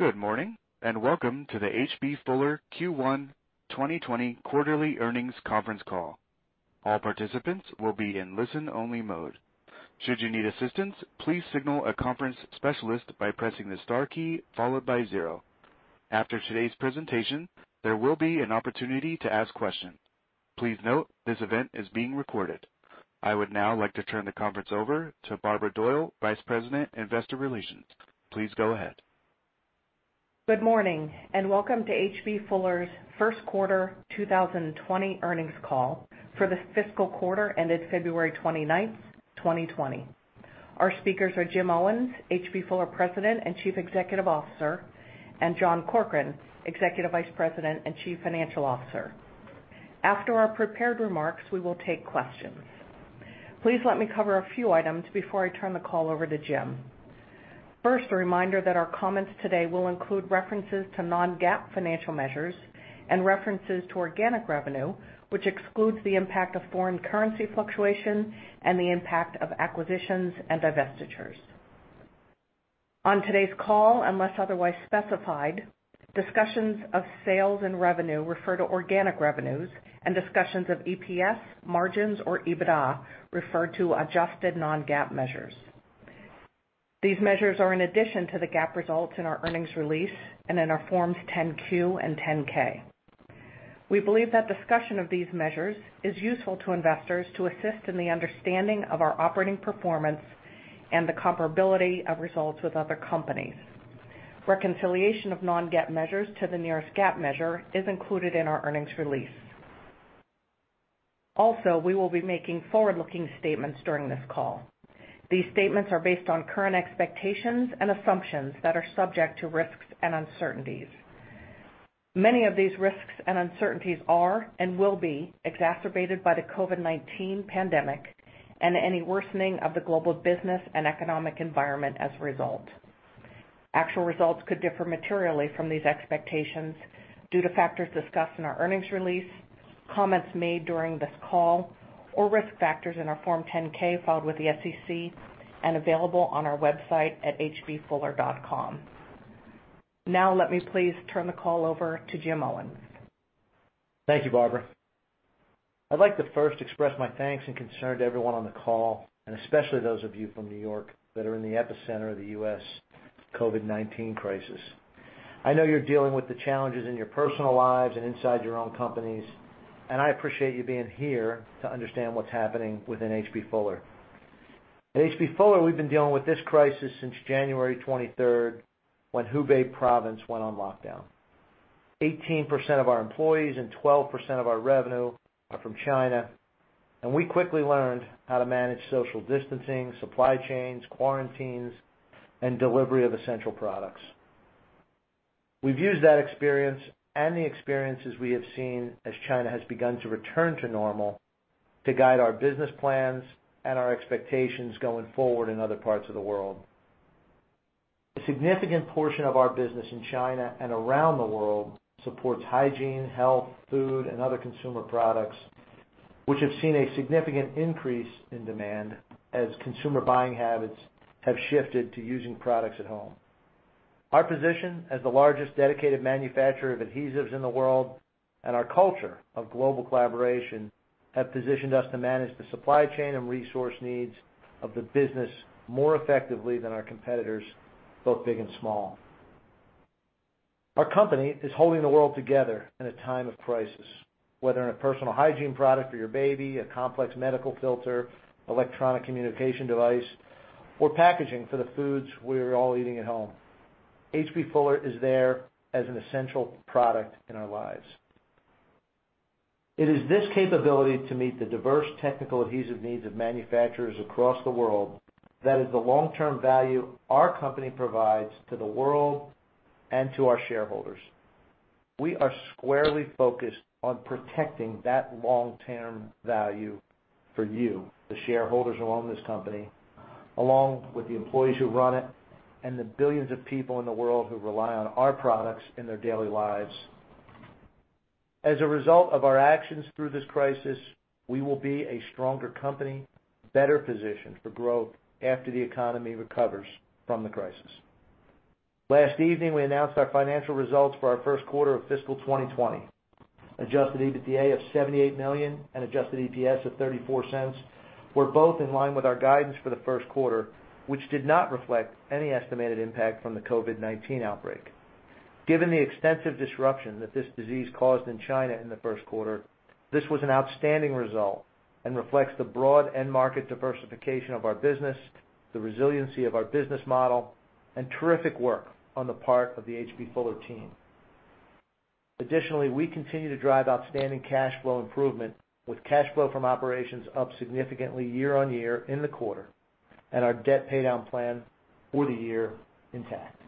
Good morning. Welcome to the H.B. Fuller Q1 2020 quarterly earnings conference call. All participants will be in listen only mode. Should you need assistance, please signal a conference specialist by pressing the star key followed by zero. After today's presentation, there will be an opportunity to ask questions. Please note this event is being recorded. I would now like to turn the conference over to Barbara Doyle, Vice President, Investor Relations. Please go ahead. Good morning. Welcome to H.B. Fuller's first quarter 2020 earnings call for the fiscal quarter ended February 29, 2020. Our speakers are Jim Owens, H.B. Fuller President and Chief Executive Officer, and John Corkrean, Executive Vice President and Chief Financial Officer. After our prepared remarks, we will take questions. Please let me cover a few items before I turn the call over to Jim. First, a reminder that our comments today will include references to non-GAAP financial measures and references to organic revenue, which excludes the impact of foreign currency fluctuation and the impact of acquisitions and divestitures. On today's call, unless otherwise specified, discussions of sales and revenue refer to organic revenues, and discussions of EPS, margins, or EBITDA refer to adjusted non-GAAP measures. These measures are in addition to the GAAP results in our earnings release and in our Forms 10-Q and 10-K. We believe that discussion of these measures is useful to investors to assist in the understanding of our operating performance and the comparability of results with other companies. Reconciliation of non-GAAP measures to the nearest GAAP measure is included in our earnings release. Also, we will be making forward-looking statements during this call. These statements are based on current expectations and assumptions that are subject to risks and uncertainties. Many of these risks and uncertainties are and will be exacerbated by the COVID-19 pandemic and any worsening of the global business and economic environment as a result. Actual results could differ materially from these expectations due to factors discussed in our earnings release, comments made during this call, or risk factors in our Form 10-K filed with the SEC and available on our website at hbfuller.com. Now let me please turn the call over to Jim Owens. Thank you, Barbara. I'd like to first express my thanks and concern to everyone on the call, and especially those of you from New York that are in the epicenter of the U.S. COVID-19 crisis. I know you're dealing with the challenges in your personal lives and inside your own companies, and I appreciate you being here to understand what's happening within H.B. Fuller. At H.B. Fuller, we've been dealing with this crisis since January 23rd, when Hubei province went on lockdown. 18% of our employees and 12% of our revenue are from China, and we quickly learned how to manage social distancing, supply chains, quarantines, and delivery of essential products. We've used that experience and the experiences we have seen as China has begun to return to normal to guide our business plans and our expectations going forward in other parts of the world. A significant portion of our business in China and around the world supports hygiene, health, food, and other consumer products, which have seen a significant increase in demand as consumer buying habits have shifted to using products at home. Our position as the largest dedicated manufacturer of adhesives in the world, and our culture of global collaboration have positioned us to manage the supply chain and resource needs of the business more effectively than our competitors, both big and small. Our company is holding the world together in a time of crisis, whether in a personal hygiene product for your baby, a complex medical filter, electronic communication device, or packaging for the foods we're all eating at home. H.B. Fuller is there as an essential product in our lives. It is this capability to meet the diverse technical adhesive needs of manufacturers across the world that is the long-term value our company provides to the world and to our shareholders. We are squarely focused on protecting that long-term value for you, the shareholders who own this company, along with the employees who run it, and the billions of people in the world who rely on our products in their daily lives. As a result of our actions through this crisis, we will be a stronger company, better positioned for growth after the economy recovers from the crisis. Last evening, we announced our financial results for our first quarter of fiscal 2020. Adjusted EBITDA of $78 million and adjusted EPS of $0.34 were both in line with our guidance for the first quarter, which did not reflect any estimated impact from the COVID-19 outbreak. Given the extensive disruption that this disease caused in China in the first quarter, this was an outstanding result and reflects the broad end market diversification of our business, the resiliency of our business model, and terrific work on the part of the H.B. Fuller team. Additionally, we continue to drive outstanding cash flow improvement with cash flow from operations up significantly year on year in the quarter, and our debt paydown plan for the year intact.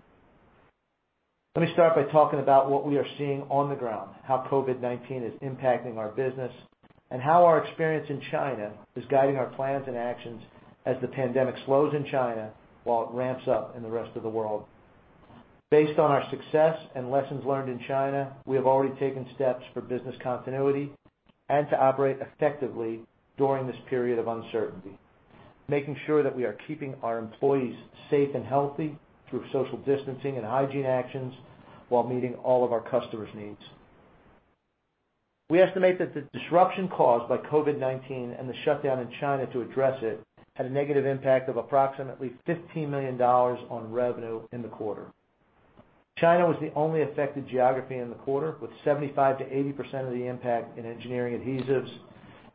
Let me start by talking about what we are seeing on the ground, how COVID-19 is impacting our business, and how our experience in China is guiding our plans and actions as the pandemic slows in China while it ramps up in the rest of the world. Based on our success and lessons learned in China, we have already taken steps for business continuity and to operate effectively during this period of uncertainty. Making sure that we are keeping our employees safe and healthy through social distancing and hygiene actions, while meeting all of our customers' needs. We estimate that the disruption caused by COVID-19 and the shutdown in China to address it had a negative impact of approximately $15 million on revenue in the quarter. China was the only affected geography in the quarter, with 75%-80% of the impact in Engineering Adhesives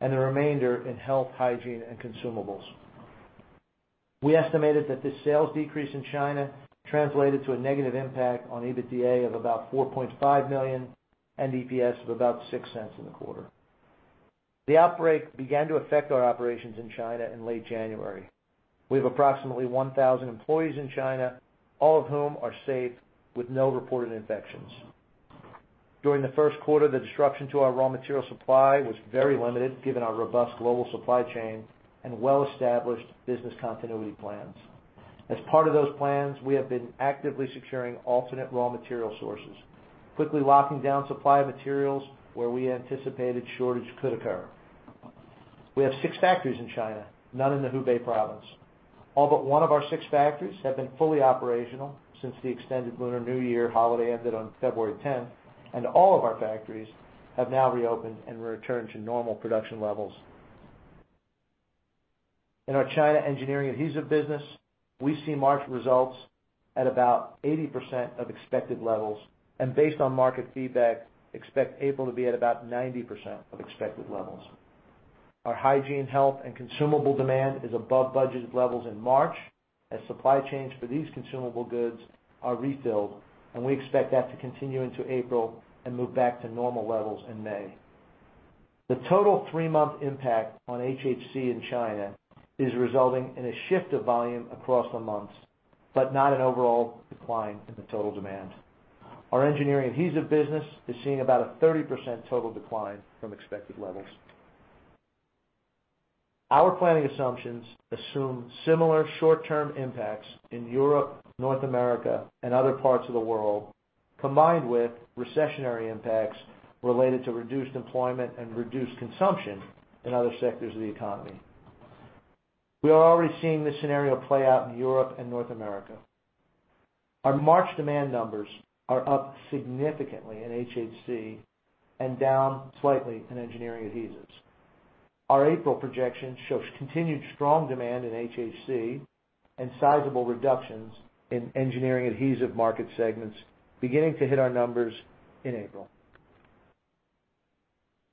and the remainder in Health, Hygiene, and Consumables. We estimated that this sales decrease in China translated to a negative impact on EBITDA of about $4.5 million and EPS of about $0.06 in the quarter. The outbreak began to affect our operations in China in late January. We have approximately 1,000 employees in China, all of whom are safe with no reported infections. During the first quarter, the disruption to our raw material supply was very limited, given our robust global supply chain and well-established business continuity plans. As part of those plans, we have been actively securing alternate raw material sources, quickly locking down supply of materials where we anticipated shortage could occur. We have six factories in China, none in the Hubei Province. All but one of our six factories have been fully operational since the extended Lunar New Year holiday ended on February 10, and all of our factories have now reopened and returned to normal production levels. In our China engineering adhesive business, we see March results at about 80% of expected levels, and based on market feedback, expect April to be at about 90% of expected levels. Our hygiene, health, and consumable demand is above budgeted levels in March as supply chains for these consumable goods are refilled, and we expect that to continue into April and move back to normal levels in May. The total three-month impact on HHC in China is resulting in a shift of volume across the months, but not an overall decline in the total demand. Our engineering adhesive business is seeing about a 30% total decline from expected levels. Our planning assumptions assume similar short-term impacts in Europe, North America, and other parts of the world, combined with recessionary impacts related to reduced employment and reduced consumption in other sectors of the economy. We are already seeing this scenario play out in Europe and North America. Our March demand numbers are up significantly in HHC and down slightly in Engineering Adhesives. Our April projections show continued strong demand in HHC and sizable reductions in engineering adhesive market segments beginning to hit our numbers in April.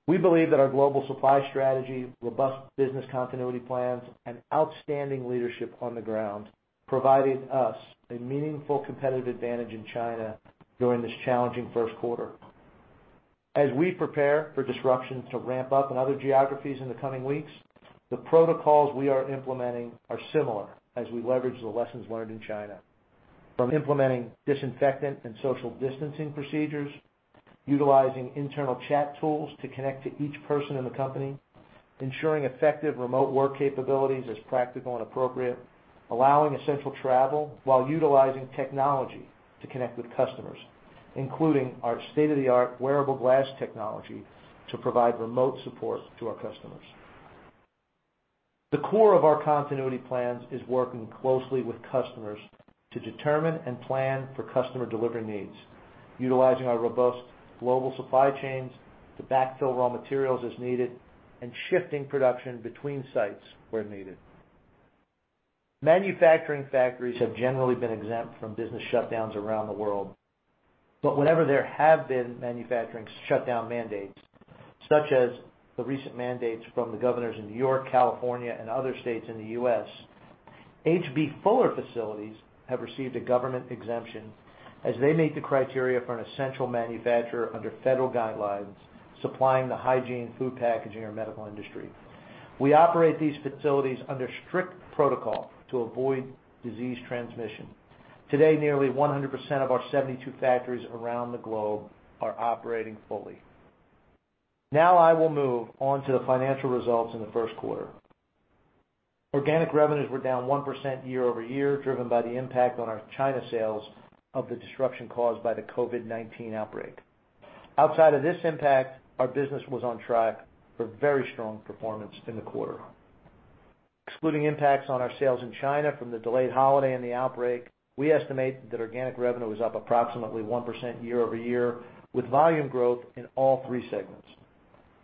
We believe that our global supply strategy, robust business continuity plans, and outstanding leadership on the ground provided us a meaningful competitive advantage in China during this challenging first quarter. As we prepare for disruptions to ramp up in other geographies in the coming weeks, the protocols we are implementing are similar as we leverage the lessons learned in China, from implementing disinfectant and social distancing procedures, utilizing internal chat tools to connect to each person in the company, ensuring effective remote work capabilities as practical and appropriate, allowing essential travel while utilizing technology to connect with customers, including our state-of-the-art wearable glass technology to provide remote support to our customers. The core of our continuity plans is working closely with customers to determine and plan for customer delivery needs, utilizing our robust global supply chains to backfill raw materials as needed, and shifting production between sites where needed. Manufacturing factories have generally been exempt from business shutdowns around the world, but whenever there have been manufacturing shutdown mandates, such as the recent mandates from the governors in New York, California, and other states in the U.S., H.B. Fuller facilities have received a government exemption as they meet the criteria for an essential manufacturer under federal guidelines supplying the hygiene, food packaging, or medical industry. We operate these facilities under strict protocol to avoid disease transmission. Today, nearly 100% of our 72 factories around the globe are operating fully. Now I will move on to the financial results in the first quarter. Organic revenues were down 1% year-over-year, driven by the impact on our China sales of the disruption caused by the COVID-19 outbreak. Outside of this impact, our business was on track for very strong performance in the quarter. Excluding impacts on our sales in China from the delayed holiday and the outbreak, we estimate that organic revenue was up approximately 1% year-over-year, with volume growth in all three segments.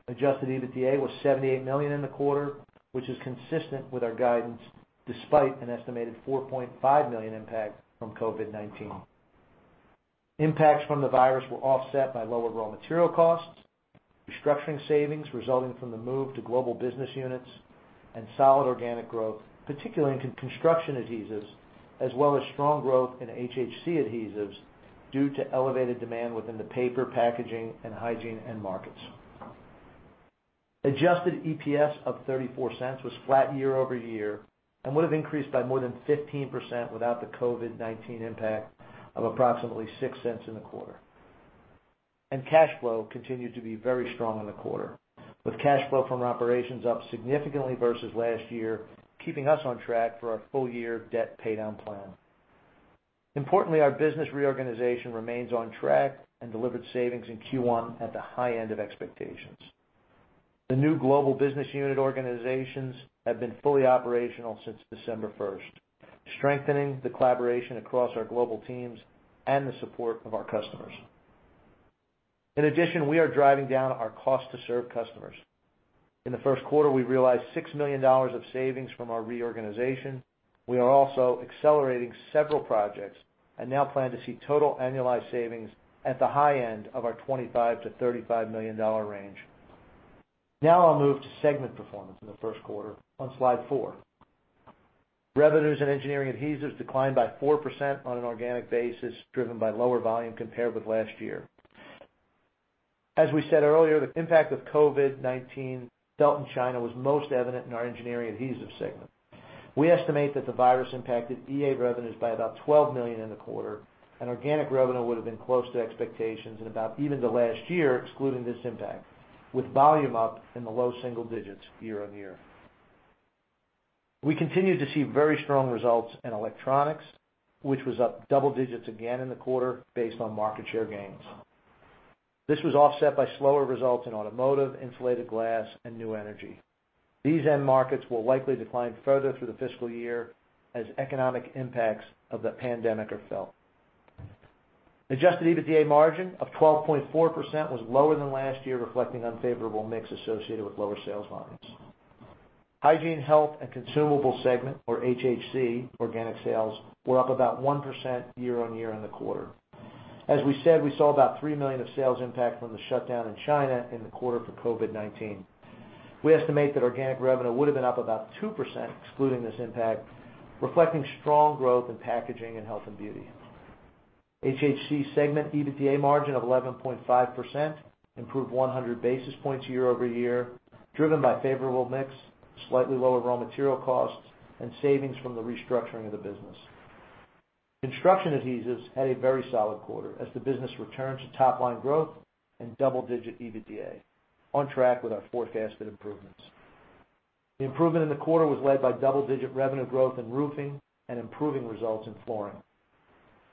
Adjusted EBITDA was $78 million in the quarter, which is consistent with our guidance, despite an estimated $4.5 million impact from COVID-19. Impacts from the virus were offset by lower raw material costs, restructuring savings resulting from the move to global business units, and solid organic growth, particularly in Construction Adhesives, as well as strong growth in HHC Adhesives due to elevated demand within the paper, packaging, and hygiene end markets. Adjusted EPS of $0.34 was flat year-over-year and would have increased by more than 15% without the COVID-19 impact of approximately $0.06 in the quarter. Cash flow continued to be very strong in the quarter, with cash flow from operations up significantly versus last year, keeping us on track for our full-year debt paydown plan. Importantly, our business reorganization remains on track and delivered savings in Q1 at the high end of expectations. The new global business unit organizations have been fully operational since December 1st, strengthening the collaboration across our global teams and the support of our customers. In addition, we are driving down our cost to serve customers. In the first quarter, we realized $6 million of savings from our reorganization. We are also accelerating several projects and now plan to see total annualized savings at the high end of our $25 million-$35 million range. I'll move to segment performance in the first quarter on slide four. Revenues in Engineering Adhesives declined by 4% on an organic basis, driven by lower volume compared with last year. As we said earlier, the impact of COVID-19 felt in China was most evident in our Engineering Adhesives segment. We estimate that the virus impacted EA revenues by about $12 million in the quarter, organic revenue would have been close to expectations and about even to last year, excluding this impact, with volume up in the low single digits year-on-year. We continue to see very strong results in electronics, which was up double digits again in the quarter based on market share gains. This was offset by slower results in automotive, insulated glass, and new energy. These end markets will likely decline further through the fiscal year as economic impacts of the pandemic are felt. Adjusted EBITDA margin of 12.4% was lower than last year, reflecting unfavorable mix associated with lower sales volumes. Hygiene, Health, and Consumable segment, or HHC, organic sales were up about 1% year-on-year in the quarter. As we said, we saw about $3 million of sales impact from the shutdown in China in the quarter for COVID-19. We estimate that organic revenue would have been up about 2%, excluding this impact, reflecting strong growth in packaging and health and beauty. HHC segment EBITDA margin of 11.5% improved 100 basis points year-over-year, driven by favorable mix, slightly lower raw material costs, and savings from the restructuring of the business. Construction adhesives had a very solid quarter as the business returned to top-line growth and double-digit EBITDA, on track with our forecasted improvements. The improvement in the quarter was led by double-digit revenue growth in roofing and improving results in flooring.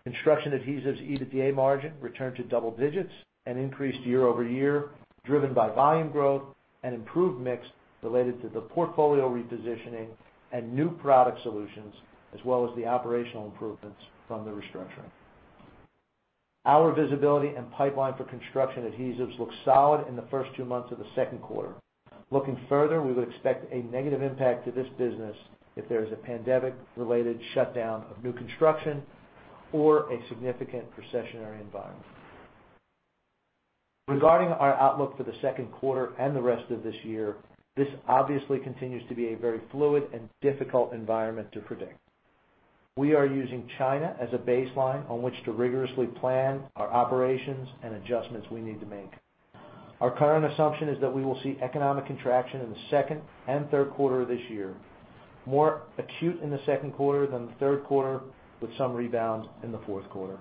Construction adhesives EBITDA margin returned to double digits and increased year-over-year, driven by volume growth and improved mix related to the portfolio repositioning and new product solutions, as well as the operational improvements from the restructuring. Our visibility and pipeline for construction adhesives look solid in the first two months of the second quarter. Looking further, we would expect a negative impact to this business if there is a pandemic related shutdown of new construction or a significant recessionary environment. Regarding our outlook for the second quarter and the rest of this year, this obviously continues to be a very fluid and difficult environment to predict. We are using China as a baseline on which to rigorously plan our operations and adjustments we need to make. Our current assumption is that we will see economic contraction in the second and third quarter of this year, more acute in the second quarter than the third quarter, with some rebounds in the fourth quarter.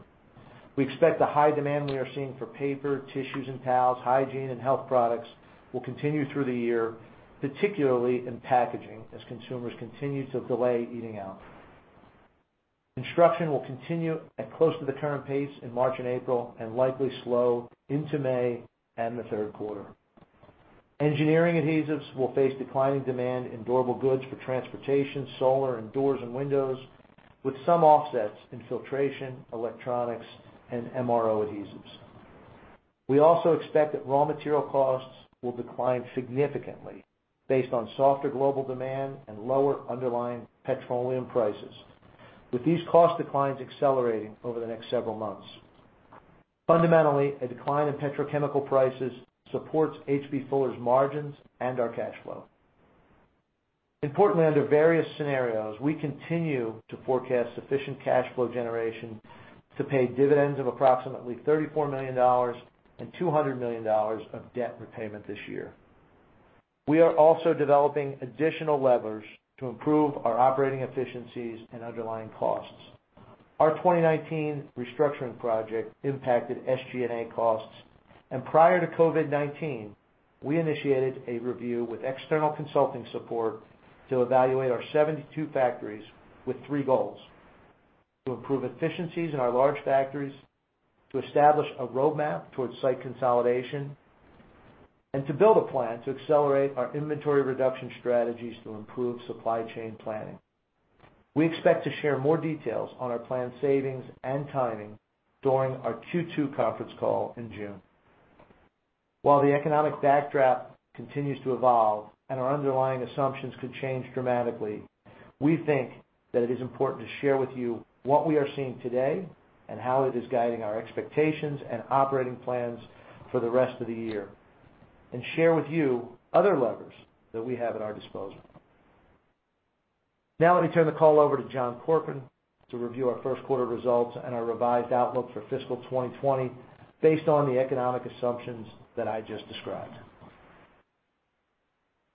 We expect the high demand we are seeing for paper, tissues and towels, hygiene and health products will continue through the year, particularly in packaging, as consumers continue to delay eating out. Construction will continue at close to the current pace in March and April, and likely slow into May and the third quarter. Engineering Adhesives will face declining demand in durable goods for transportation, solar, and doors and windows, with some offsets in filtration, electronics, and MRO adhesives. We also expect that raw material costs will decline significantly based on softer global demand and lower underlying petroleum prices, with these cost declines accelerating over the next several months. Fundamentally, a decline in petrochemical prices supports H.B. Fuller's margins and our cash flow. Importantly, under various scenarios, we continue to forecast sufficient cash flow generation to pay dividends of approximately $34 million and $200 million of debt repayment this year. We are also developing additional levers to improve our operating efficiencies and underlying costs. Our 2019 restructuring project impacted SG&A costs, and prior to COVID-19, we initiated a review with external consulting support to evaluate our 72 factories with three goals, to improve efficiencies in our large factories, to establish a roadmap towards site consolidation, and to build a plan to accelerate our inventory reduction strategies to improve supply chain planning. We expect to share more details on our planned savings and timing during our Q2 conference call in June. While the economic backdrop continues to evolve and our underlying assumptions could change dramatically, we think that it is important to share with you what we are seeing today and how it is guiding our expectations and operating plans for the rest of the year, and share with you other levers that we have at our disposal. Let me turn the call over to John Corkrean to review our first quarter results and our revised outlook for fiscal 2020 based on the economic assumptions that I just described.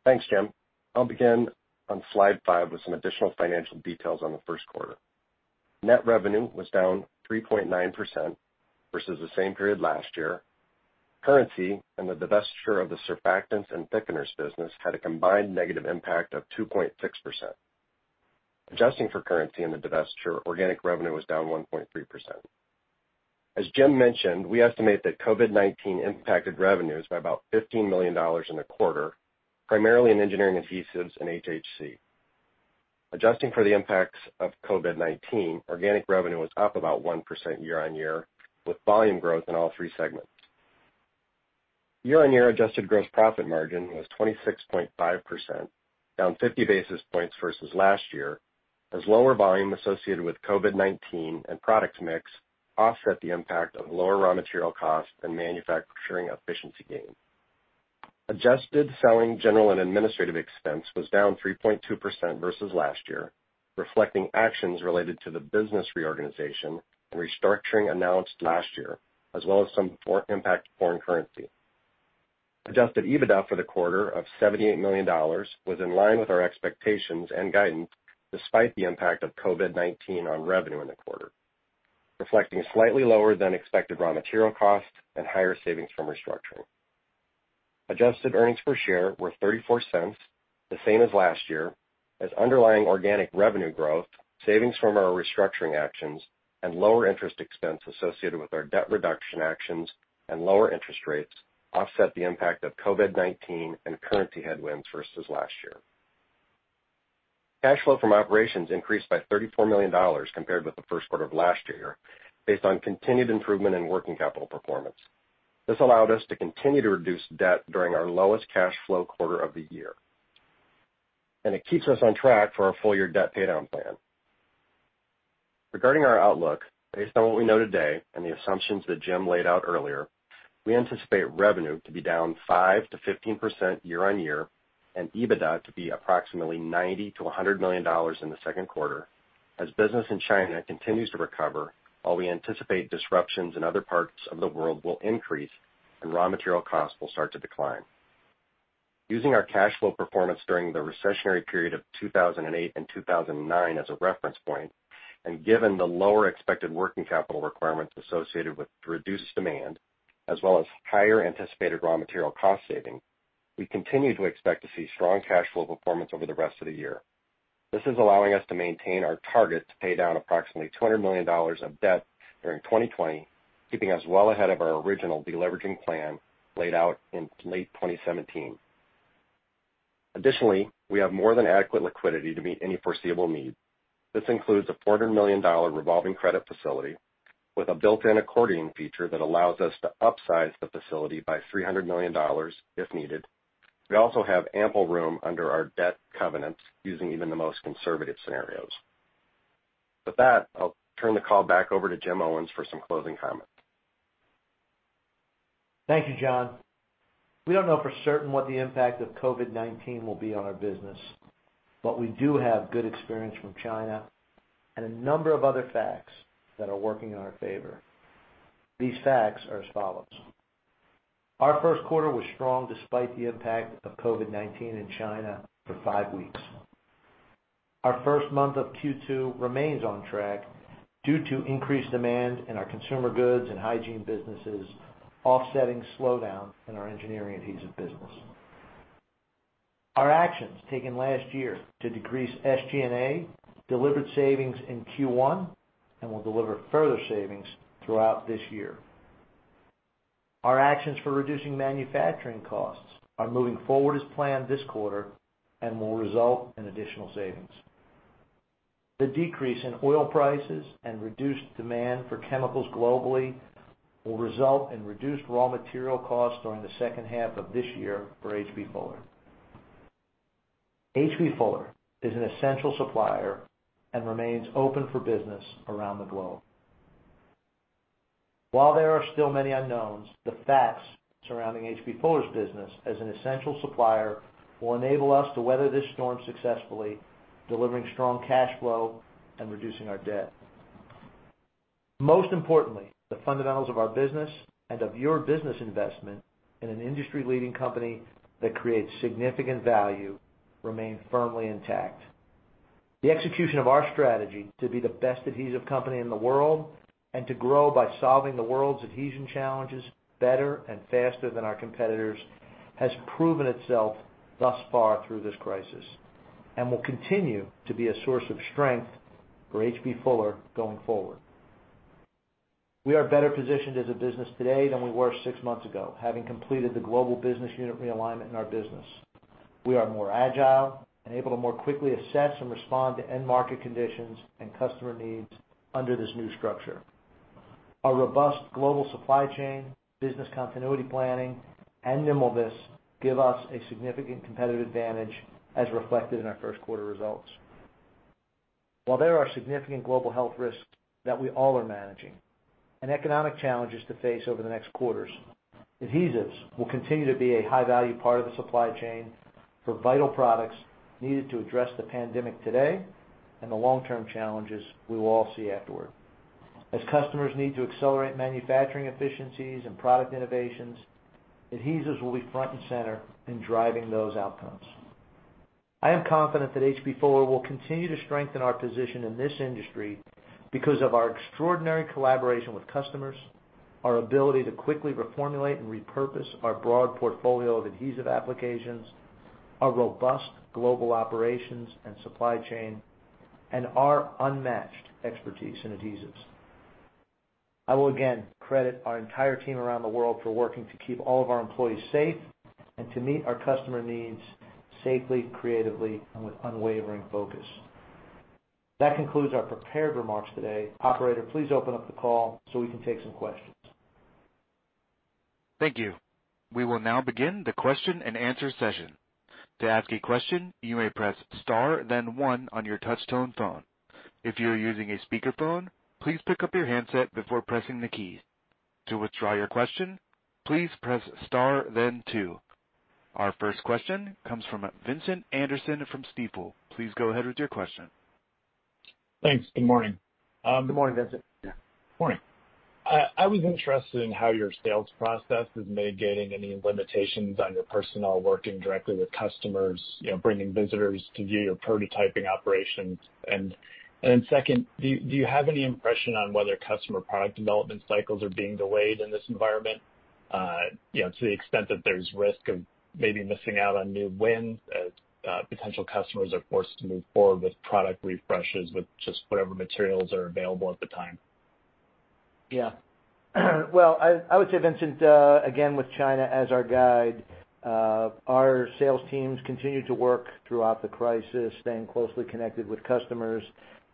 Thanks, Jim. I'll begin on slide five with some additional financial details on the first quarter. Net revenue was down 3.9% versus the same period last year. Currency and the divestiture of the surfactants and thickeners business had a combined negative impact of 2.6%. Adjusting for currency and the divestiture, organic revenue was down 1.3%. As Jim mentioned, we estimate that COVID-19 impacted revenues by about $15 million in the quarter, primarily in Engineering Adhesives and HHC. Adjusting for the impacts of COVID-19, organic revenue was up about 1% year-on-year, with volume growth in all three segments. Year-on-year adjusted gross profit margin was 26.5%, down 50 basis points versus last year, as lower volume associated with COVID-19 and product mix offset the impact of lower raw material costs and manufacturing efficiency gains. Adjusted selling, general and administrative expense was down 3.2% versus last year, reflecting actions related to the business reorganization and restructuring announced last year, as well as some impact foreign currency. Adjusted EBITDA for the quarter of $78 million was in line with our expectations and guidance, despite the impact of COVID-19 on revenue in the quarter, reflecting slightly lower than expected raw material costs and higher savings from restructuring. Adjusted earnings per share were $0.34, the same as last year, as underlying organic revenue growth, savings from our restructuring actions, and lower interest expense associated with our debt reduction actions and lower interest rates offset the impact of COVID-19 and currency headwinds versus last year. Cash flow from operations increased by $34 million compared with the first quarter of last year, based on continued improvement in working capital performance. This allowed us to continue to reduce debt during our lowest cash flow quarter of the year. It keeps us on track for our full-year debt paydown plan. Regarding our outlook, based on what we know today and the assumptions that Jim laid out earlier, we anticipate revenue to be down 5%-15% year-on-year and EBITDA to be approximately $90 million-$100 million in the second quarter, as business in China continues to recover, while we anticipate disruptions in other parts of the world will increase and raw material costs will start to decline. Using our cash flow performance during the recessionary period of 2008 and 2009 as a reference point, and given the lower expected working capital requirements associated with reduced demand, as well as higher anticipated raw material cost saving, we continue to expect to see strong cash flow performance over the rest of the year. This is allowing us to maintain our target to pay down approximately $200 million of debt during 2020, keeping us well ahead of our original deleveraging plan laid out in late 2017. Additionally, we have more than adequate liquidity to meet any foreseeable need. This includes a $400 million revolving credit facility with a built-in accordion feature that allows us to upsize the facility by $300 million if needed. We also have ample room under our debt covenants using even the most conservative scenarios. With that, I'll turn the call back over to Jim Owens for some closing comments. Thank you, John. We don't know for certain what the impact of COVID-19 will be on our business, but we do have good experience from China and a number of other facts that are working in our favor. These facts are as follows. Our first quarter was strong despite the impact of COVID-19 in China for five weeks. Our first month of Q2 remains on track due to increased demand in our consumer goods and hygiene businesses, offsetting slowdown in our engineering adhesive business. Our actions taken last year to decrease SG&A delivered savings in Q1 and will deliver further savings throughout this year. Our actions for reducing manufacturing costs are moving forward as planned this quarter and will result in additional savings. The decrease in oil prices and reduced demand for chemicals globally will result in reduced raw material costs during the second half of this year for H.B. Fuller. H.B. Fuller is an essential supplier and remains open for business around the globe. While there are still many unknowns, the facts surrounding H.B. Fuller's business as an essential supplier will enable us to weather this storm successfully, delivering strong cash flow and reducing our debt. Most importantly, the fundamentals of our business and of your business investment in an industry-leading company that creates significant value remain firmly intact. The execution of our strategy to be the best adhesive company in the world and to grow by solving the world's adhesion challenges better and faster than our competitors, has proven itself thus far through this crisis and will continue to be a source of strength for H.B. Fuller going forward. We are better positioned as a business today than we were six months ago, having completed the Global Business Unit realignment in our business. We are more agile and able to more quickly assess and respond to end market conditions and customer needs under this new structure. Our robust global supply chain, business continuity planning, and nimbleness give us a significant competitive advantage, as reflected in our first quarter results. While there are significant global health risks that we all are managing and economic challenges to face over the next quarters, adhesives will continue to be a high-value part of the supply chain for vital products needed to address the pandemic today and the long-term challenges we will all see afterward. As customers need to accelerate manufacturing efficiencies and product innovations, adhesives will be front and center in driving those outcomes. I am confident that H.B. Fuller will continue to strengthen our position in this industry because of our extraordinary collaboration with customers, our ability to quickly reformulate and repurpose our broad portfolio of adhesive applications, our robust global operations and supply chain, and our unmatched expertise in adhesives. I will again credit our entire team around the world for working to keep all of our employees safe and to meet our customer needs safely, creatively, and with unwavering focus. That concludes our prepared remarks today. Operator, please open up the call so we can take some questions. Thank you. We will now begin the question and answer session. To ask a question, you may press star then one on your touch-tone phone. If you are using a speakerphone, please pick up your handset before pressing the keys. To withdraw your question, please press star then two. Our first question comes from Vincent Anderson from Stifel. Please go ahead with your question. Thanks. Good morning. Good morning, Vincent. Morning. I was interested in how your sales process is mitigating any limitations on your personnel working directly with customers, bringing visitors to view your prototyping operations. Second, do you have any impression on whether customer product development cycles are being delayed in this environment? To the extent that there's risk of maybe missing out on new wins as potential customers are forced to move forward with product refreshes, with just whatever materials are available at the time. Well, I would say, Vincent, again, with China as our guide, our sales teams continued to work throughout the crisis, staying closely connected with customers.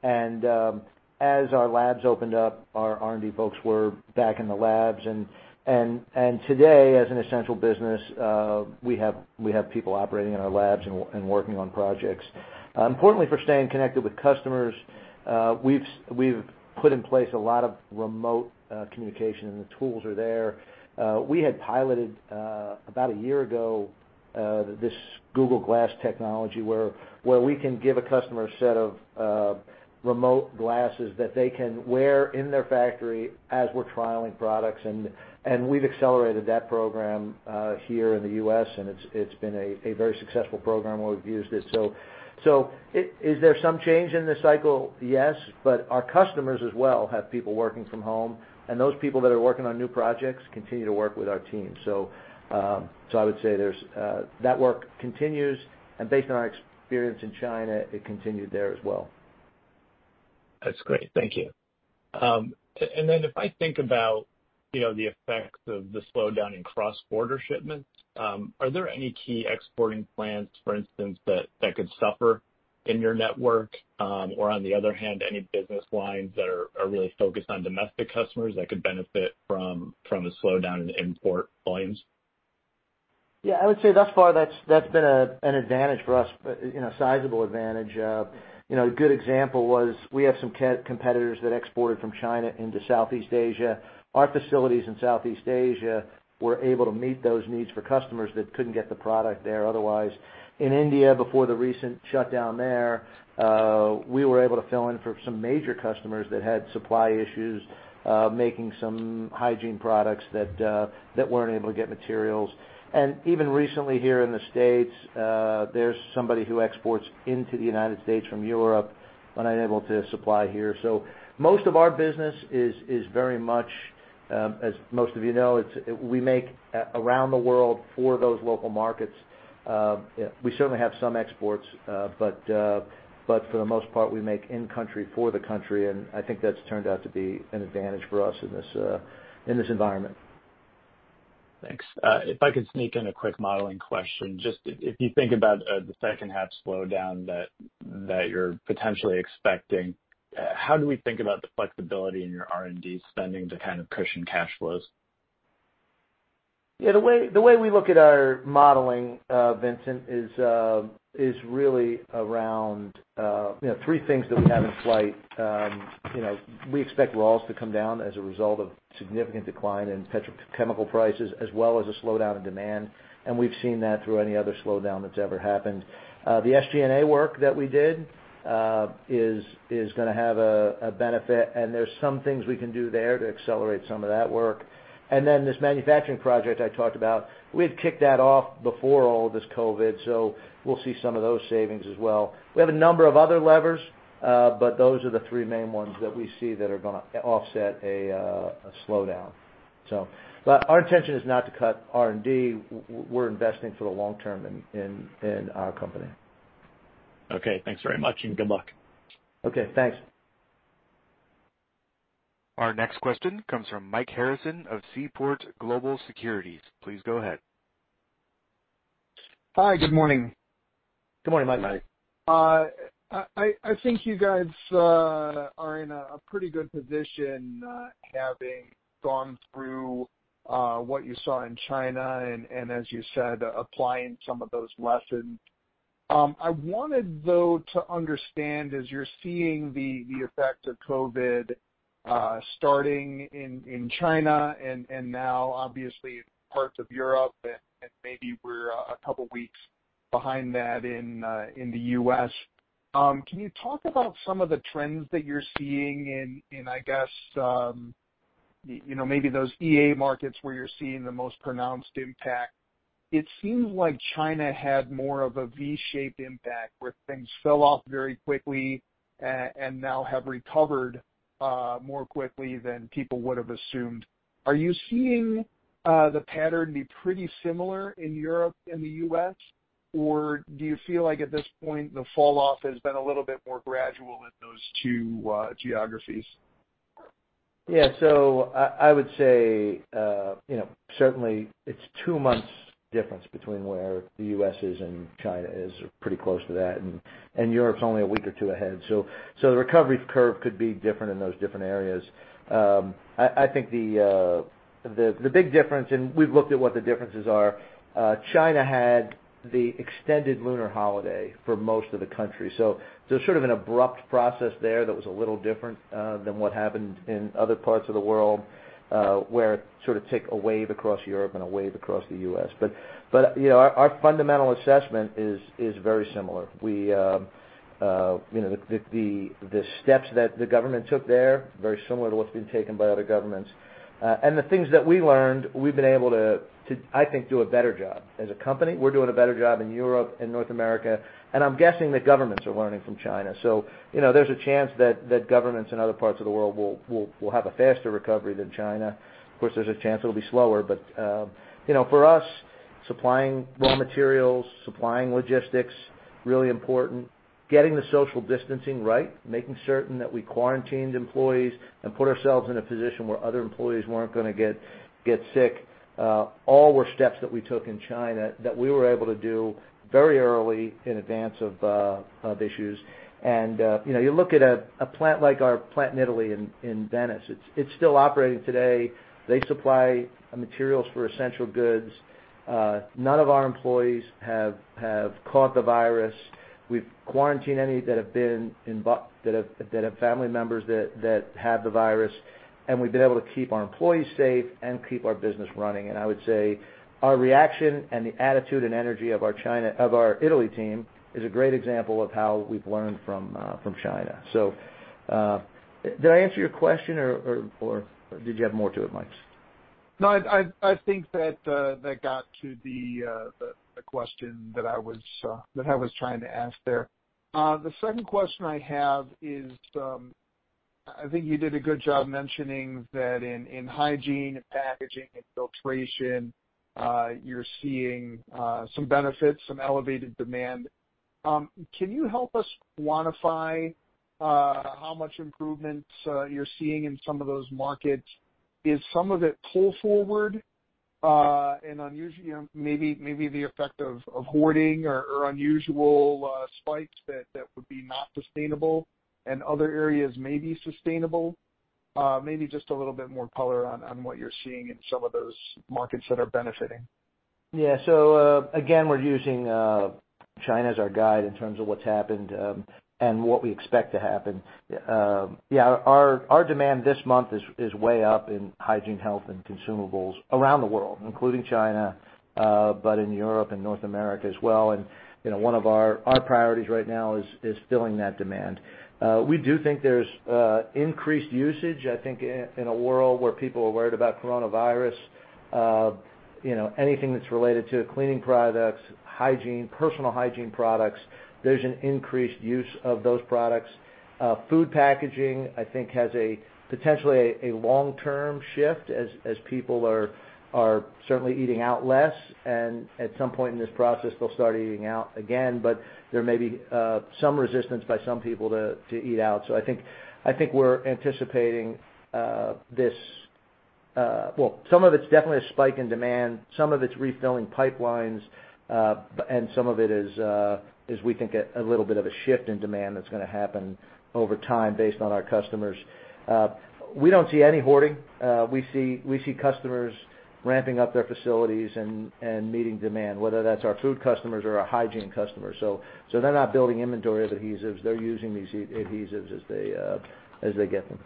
As our labs opened up, our R&D folks were back in the labs. Today, as an essential business, we have people operating in our labs and working on projects. Importantly, for staying connected with customers, we've put in place a lot of remote communication, and the tools are there. We had piloted, about a year ago, this Google Glass technology where we can give a customer a set of remote glasses that they can wear in their factory as we're trialing products. We've accelerated that program here in the U.S., and it's been a very successful program where we've used it. Is there some change in the cycle? Yes. Our customers as well have people working from home, and those people that are working on new projects continue to work with our team. I would say that work continues, and based on our experience in China, it continued there as well. That's great. Thank you. Then if I think about the effects of the slowdown in cross-border shipments, are there any key exporting plans, for instance, that could suffer in your network? Or on the other hand, any business lines that are really focused on domestic customers that could benefit from a slowdown in import volumes? Yeah, I would say thus far, that's been an advantage for us, a sizable advantage. A good example was we have some competitors that exported from China into Southeast Asia. Our facilities in Southeast Asia were able to meet those needs for customers that couldn't get the product there otherwise. In India, before the recent shutdown there, we were able to fill in for some major customers that had supply issues, making some hygiene products that weren't able to get materials. Even recently here in the States, there's somebody who exports into the United States from Europe and unable to supply here. Most of our business is very much, as most of you know, we make around the world for those local markets. We certainly have some exports. For the most part, we make in country for the country, and I think that's turned out to be an advantage for us in this environment. Thanks. If I could sneak in a quick modeling question. Just if you think about the second half slowdown that you're potentially expecting, how do we think about the flexibility in your R&D spending to kind of cushion cash flows? Yeah, the way we look at our modeling, Vincent, is really around three things that we have in flight. We expect raws to come down as a result of significant decline in petrochemical prices as well as a slowdown in demand, and we've seen that through any other slowdown that's ever happened. The SG&A work that we did is going to have a benefit, and there's some things we can do there to accelerate some of that work. This manufacturing project I talked about, we had kicked that off before all of this COVID, so we'll see some of those savings as well. We have a number of other levers, those are the three main ones that we see that are going to offset a slowdown. Our intention is not to cut R&D. We're investing for the long term in our company. Okay. Thanks very much. Good luck. Okay. Thanks. Our next question comes from Mike Harrison of Seaport Global Securities. Please go ahead. Hi. Good morning. Good morning, Mike. Morning Mike. I think you guys are in a pretty good position, having gone through what you saw in China and, as you said, applying some of those lessons. I wanted, though, to understand as you're seeing the effect of COVID starting in China and now obviously in parts of Europe, and maybe we're a couple of weeks behind that in the U.S., can you talk about some of the trends that you're seeing in, I guess-Maybe those EA markets where you're seeing the most pronounced impact. It seems like China had more of a V-shaped impact, where things fell off very quickly and now have recovered more quickly than people would have assumed. Are you seeing the pattern be pretty similar in Europe and the U.S., or do you feel like at this point, the fall off has been a little bit more gradual in those two geographies? I would say, certainly it's two months difference between where the U.S. is and China is, or pretty close to that, and Europe's only a week or two ahead. I think the big difference, and we've looked at what the differences are, China had the extended Lunar New Year for most of the country, so there's sort of an abrupt process there that was a little different than what happened in other parts of the world, where it sort of took a wave across Europe and a wave across the U.S. Our fundamental assessment is very similar. The steps that the government took there, very similar to what's been taken by other governments. The things that we learned, we've been able to, I think, do a better job. As a company, we're doing a better job in Europe and North America, and I'm guessing the governments are learning from China. There's a chance that governments in other parts of the world will have a faster recovery than China. Of course, there's a chance it'll be slower. For us, supplying raw materials, supplying logistics, really important. Getting the social distancing right, making certain that we quarantined employees and put ourselves in a position where other employees weren't going to get sick, all were steps that we took in China that we were able to do very early in advance of issues. You look at a plant like our plant in Italy, in Venice, it's still operating today. They supply materials for essential goods. None of our employees have caught the virus. We've quarantined any that have family members that have the virus, we've been able to keep our employees safe and keep our business running. I would say our reaction and the attitude and energy of our Italy team is a great example of how we've learned from China. Did I answer your question, or did you have more to it, Mike? No, I think that got to the question that I was trying to ask there. The second question I have is, I think you did a good job mentioning that in hygiene and packaging and filtration, you're seeing some benefits, some elevated demand. Can you help us quantify how much improvements you're seeing in some of those markets? Is some of it pull forward and maybe the effect of hoarding or unusual spikes that would be not sustainable and other areas may be sustainable? Maybe just a little bit more color on what you're seeing in some of those markets that are benefiting. Yeah. Again, we're using China as our guide in terms of what's happened and what we expect to happen. Yeah, our demand this month is way up in Hygiene, Health, and Consumables around the world, including China, but in Europe and North America as well, and one of our priorities right now is filling that demand. We do think there's increased usage, I think, in a world where people are worried about coronavirus. Anything that's related to cleaning products, hygiene, personal hygiene products, there's an increased use of those products. Food packaging, I think, has potentially a long-term shift as people are certainly eating out less, and at some point in this process, they'll start eating out again, but there may be some resistance by some people to eat out. I think we're anticipating Well, some of it's definitely a spike in demand, some of it's refilling pipelines, and some of it is we think a little bit of a shift in demand that's going to happen over time based on our customers. We don't see any hoarding. We see customers ramping up their facilities and meeting demand, whether that's our food customers or our hygiene customers. They're not building inventory of adhesives. They're using these adhesives as they get them.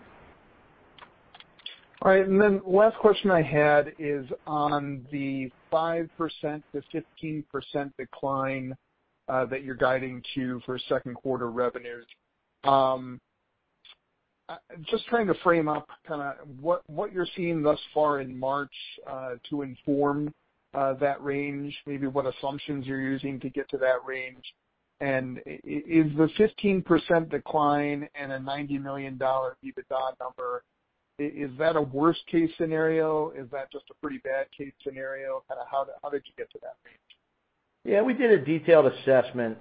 Last question I had is on the 5%-15% decline that you're guiding to for second quarter revenues. Just trying to frame up kind of what you're seeing thus far in March to inform that range, maybe what assumptions you're using to get to that range. Is the 15% decline and a $90 million EBITDA number, is that a worst case scenario? Is that just a pretty bad case scenario? Kind of how did you get to that range? Yeah. We did a detailed assessment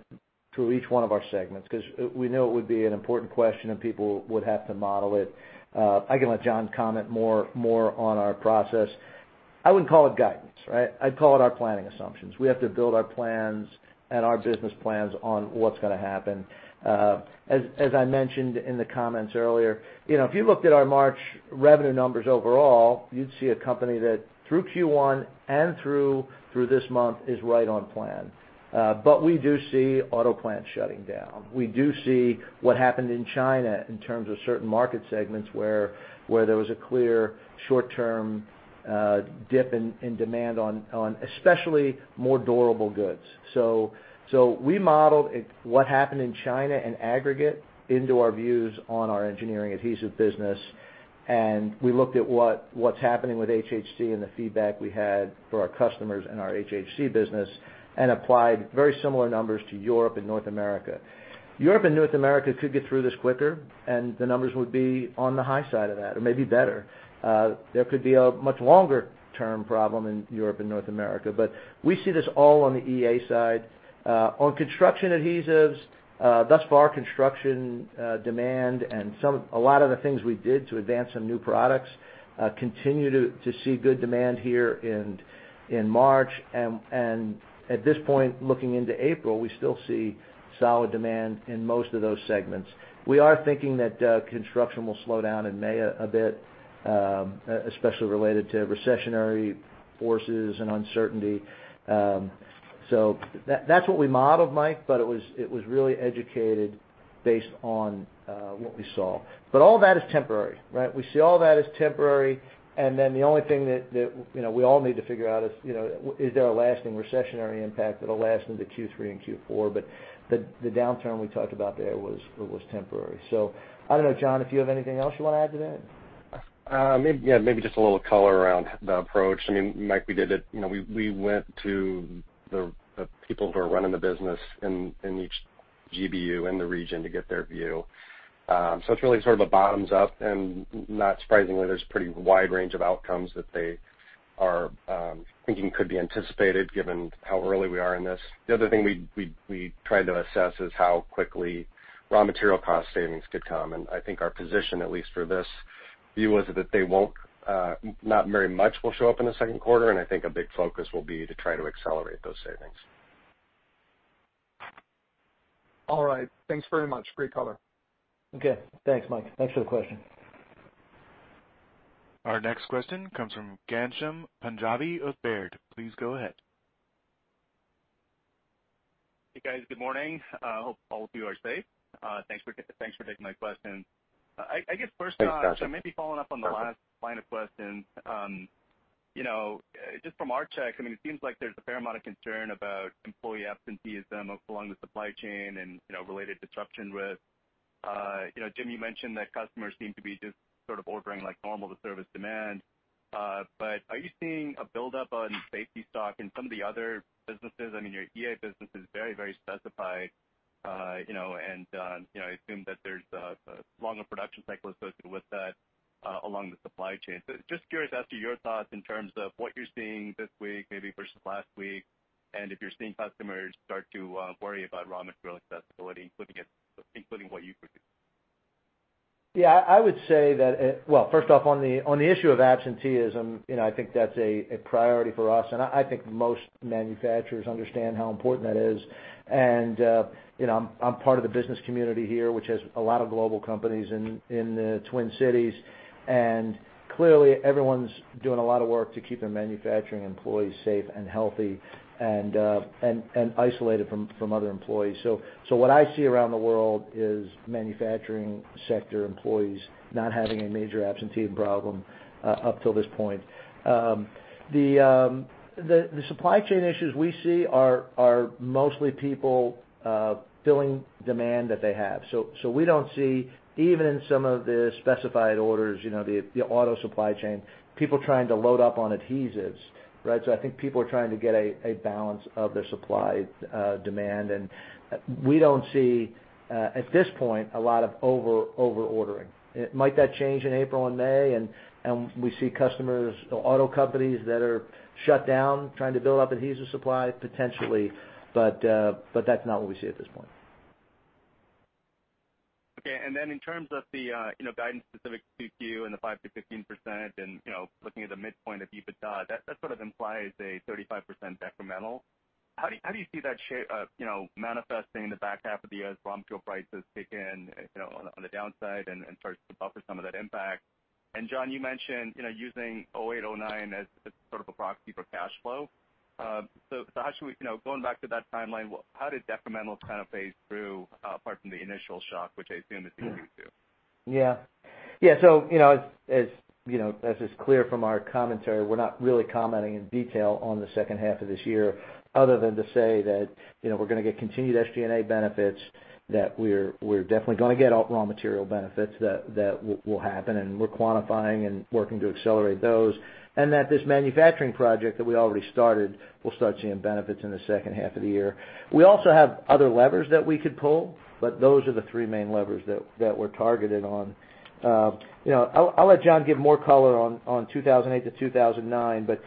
to each one of our segments because we knew it would be an important question and people would have to model it. I can let John comment more on our process. I wouldn't call it guidance, right? I'd call it our planning assumptions. We have to build our plans and our business plans on what's going to happen. As I mentioned in the comments earlier, if you looked at our March revenue numbers overall, you'd see a company that through Q1 and through this month is right on plan. We do see auto plants shutting down. We do see what happened in China in terms of certain market segments where there was a clear short term dip in demand on especially more durable goods. We modeled what happened in China in aggregate into our views on our engineering adhesive business. We looked at what's happening with HHC and the feedback we had for our customers in our HHC business and applied very similar numbers to Europe and North America. Europe and North America could get through this quicker, and the numbers would be on the high side of that or maybe better. There could be a much longer-term problem in Europe and North America, but we see this all on the EA side. On construction adhesives, thus far, construction demand and a lot of the things we did to advance some new products continue to see good demand here in March. At this point, looking into April, we still see solid demand in most of those segments. We are thinking that construction will slow down in May a bit, especially related to recessionary forces and uncertainty. That's what we modeled, Mike, but it was really educated based on what we saw. All that is temporary, right? We see all that as temporary, and then the only thing that we all need to figure out is there a lasting recessionary impact that'll last into Q3 and Q4? The downturn we talked about there was temporary. I don't know, John, if you have anything else you want to add to that? Maybe, yeah. Maybe just a little color around the approach. Mike, we went to the people who are running the business in each GBU in the region to get their view. It's really sort of a bottoms-up, and not surprisingly, there's a pretty wide range of outcomes that they are thinking could be anticipated given how early we are in this. The other thing we tried to assess is how quickly raw material cost savings could come, and I think our position, at least for this view, was that not very much will show up in the second quarter, and I think a big focus will be to try to accelerate those savings. All right. Thanks very much. Great color. Okay. Thanks, Mike. Thanks for the question. Our next question comes from Ghansham Panjabi of Baird. Please go ahead. Hey, guys. Good morning. I hope all of you are safe. Thanks for taking my question. Hi, Ghansham. I guess first, maybe following up on the last line of questioning. Just from our check, it seems like there's a fair amount of concern about employee absenteeism along the supply chain and related disruption risk. Jim, you mentioned that customers seem to be just sort of ordering like normal to service demand. Are you seeing a buildup on safety stock in some of the other businesses? Your EA business is very specified, and I assume that there's a longer production cycle associated with that along the supply chain. Just curious as to your thoughts in terms of what you're seeing this week, maybe versus last week, and if you're seeing customers start to worry about raw material accessibility, including what you produce. Yeah. First off, on the issue of absenteeism, I think that's a priority for us, and I think most manufacturers understand how important that is. I'm part of the business community here, which has a lot of global companies in the Twin Cities, and clearly everyone's doing a lot of work to keep their manufacturing employees safe and healthy and isolated from other employees. What I see around the world is manufacturing sector employees not having a major absentee problem up till this point. The supply chain issues we see are mostly people filling demand that they have. We don't see, even in some of the specified orders, the auto supply chain, people trying to load up on adhesives, right? I think people are trying to get a balance of their supply demand, and we don't see, at this point, a lot of over-ordering. Might that change in April and May, and we see customers or auto companies that are shut down trying to build up adhesive supply? Potentially. That's not what we see at this point. Okay. Then in terms of the guidance specific to you and the 5%-15% and looking at the midpoint of EBITDA, that sort of implies a 35% decremental. How do you see that manifesting in the back half of the year as raw material prices kick in on the downside and starts to buffer some of that impact? John, you mentioned using 2008, 2009 as sort of a proxy for cash flow. Going back to that timeline, how did decremental kind of phase through apart from the initial shock, which I assume is due to? As is clear from our commentary, we're not really commenting in detail on the second half of this year other than to say that we're going to get continued SG&A benefits, that we're definitely going to get raw material benefits. That will happen, and we're quantifying and working to accelerate those, and that this manufacturing project that we already started, we'll start seeing benefits in the second half of the year. We also have other levers that we could pull, but those are the three main levers that we're targeted on. I'll let John give more color on 2008 to 2009, but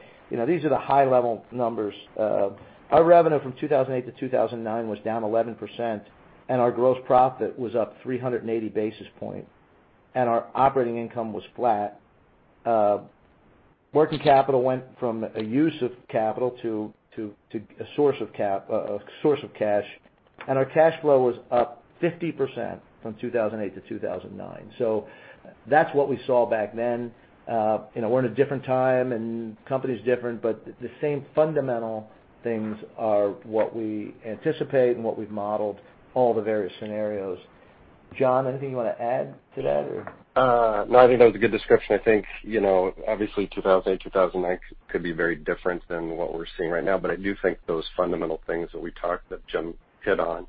these are the high-level numbers. Our revenue from 2008 to 2009 was down 11%, and our gross profit was up 380 basis points, and our operating income was flat. Working capital went from a use of capital to a source of cash, and our cash flow was up 50% from 2008 to 2009. That's what we saw back then. We're in a different time, and company's different, but the same fundamental things are what we anticipate and what we've modeled all the various scenarios. John, anything you want to add to that, or? No, I think that was a good description. I think, obviously 2008, 2009 could be very different than what we're seeing right now. I do think those fundamental things that Jim hit on.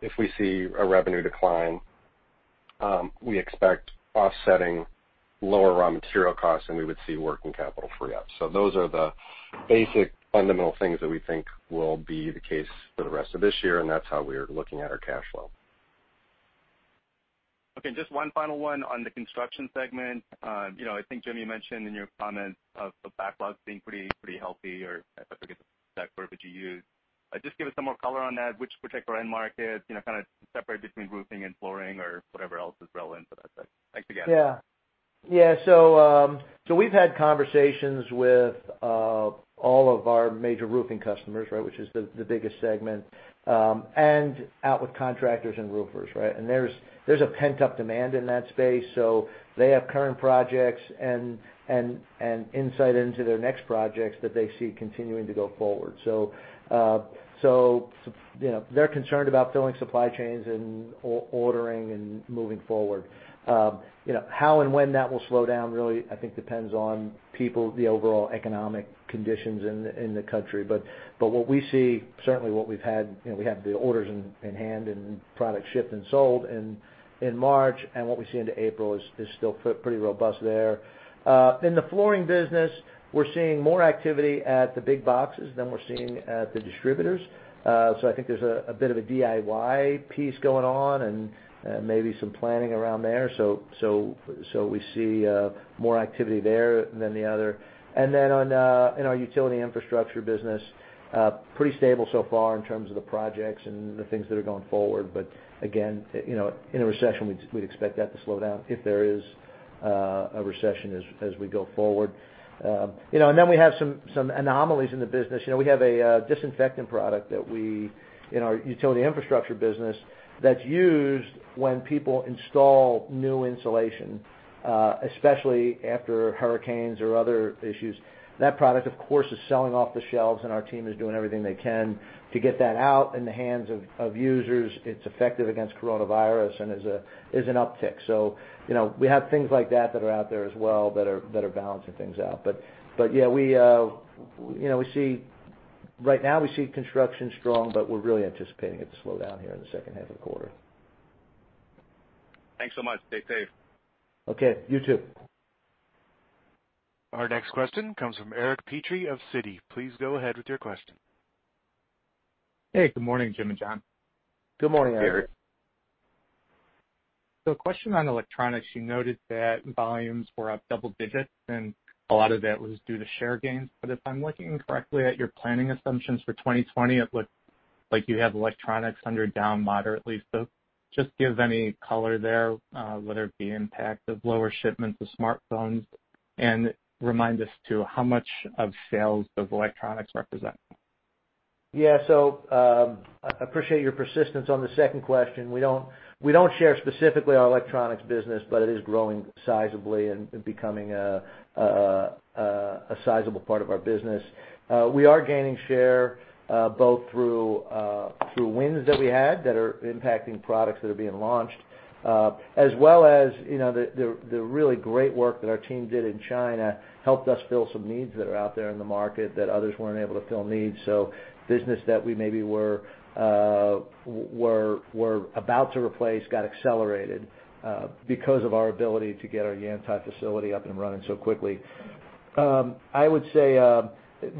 If we see a revenue decline, we expect offsetting lower raw material costs than we would see working capital free-up. Those are the basic fundamental things that we think will be the case for the rest of this year, and that's how we are looking at our cash flow. Okay. Just one final one on the construction segment. I think, Jim, you mentioned in your comments of the backlog being pretty healthy, or I forget the exact verbiage you used. Just give us some more color on that, which particular end market, kind of separate between roofing and flooring or whatever else is relevant for that segment. Thanks again. Yeah. We've had conversations with all of our major roofing customers, which is the biggest segment, and out with contractors and roofers. There's a pent-up demand in that space, so they have current projects and insight into their next projects that they see continuing to go forward. They're concerned about filling supply chains and ordering and moving forward. How and when that will slow down, really, I think depends on people, the overall economic conditions in the country. What we see, certainly what we've had, we have the orders in hand and product shipped and sold in March, and what we see into April is still pretty robust there. In the flooring business, we're seeing more activity at the big boxes than we're seeing at the distributors. I think there's a bit of a DIY piece going on and maybe some planning around there. We see more activity there than the other. In our utility infrastructure business, pretty stable so far in terms of the projects and the things that are going forward. Again, in a recession, we'd expect that to slow down if there is a recession as we go forward. We have some anomalies in the business. We have a disinfectant product in our utility infrastructure business that's used when people install new insulation, especially after hurricanes or other issues. That product, of course, is selling off the shelves, and our team is doing everything they can to get that out in the hands of users. It's effective against coronavirus and is an uptick. We have things like that that are out there as well, that are balancing things out. Right now we see construction strong, but we're really anticipating it to slow down here in the second half of the quarter. Thanks so much. Stay safe. Okay. You too. Our next question comes from Eric Petrie of Citi. Please go ahead with your question. Hey, good morning, Jim and John. Good morning, Eric. Good morning Eric. A question on electronics. You noted that volumes were up double digits, and a lot of that was due to share gains. If I'm looking correctly at your planning assumptions for 2020, it looks like you have electronics under down moderately. Just give any color there, whether it be impact of lower shipments of smartphones, and remind us too how much of sales does electronics represent. Yeah. I appreciate your persistence on the second question. We don't share specifically our electronics business, but it is growing sizably and becoming a sizable part of our business. We are gaining share both through wins that we had that are impacting products that are being launched, as well as the really great work that our team did in China helped us fill some needs that are out there in the market that others weren't able to fill needs. Business that we maybe were about to replace got accelerated because of our ability to get our Yantai facility up and running so quickly. I would say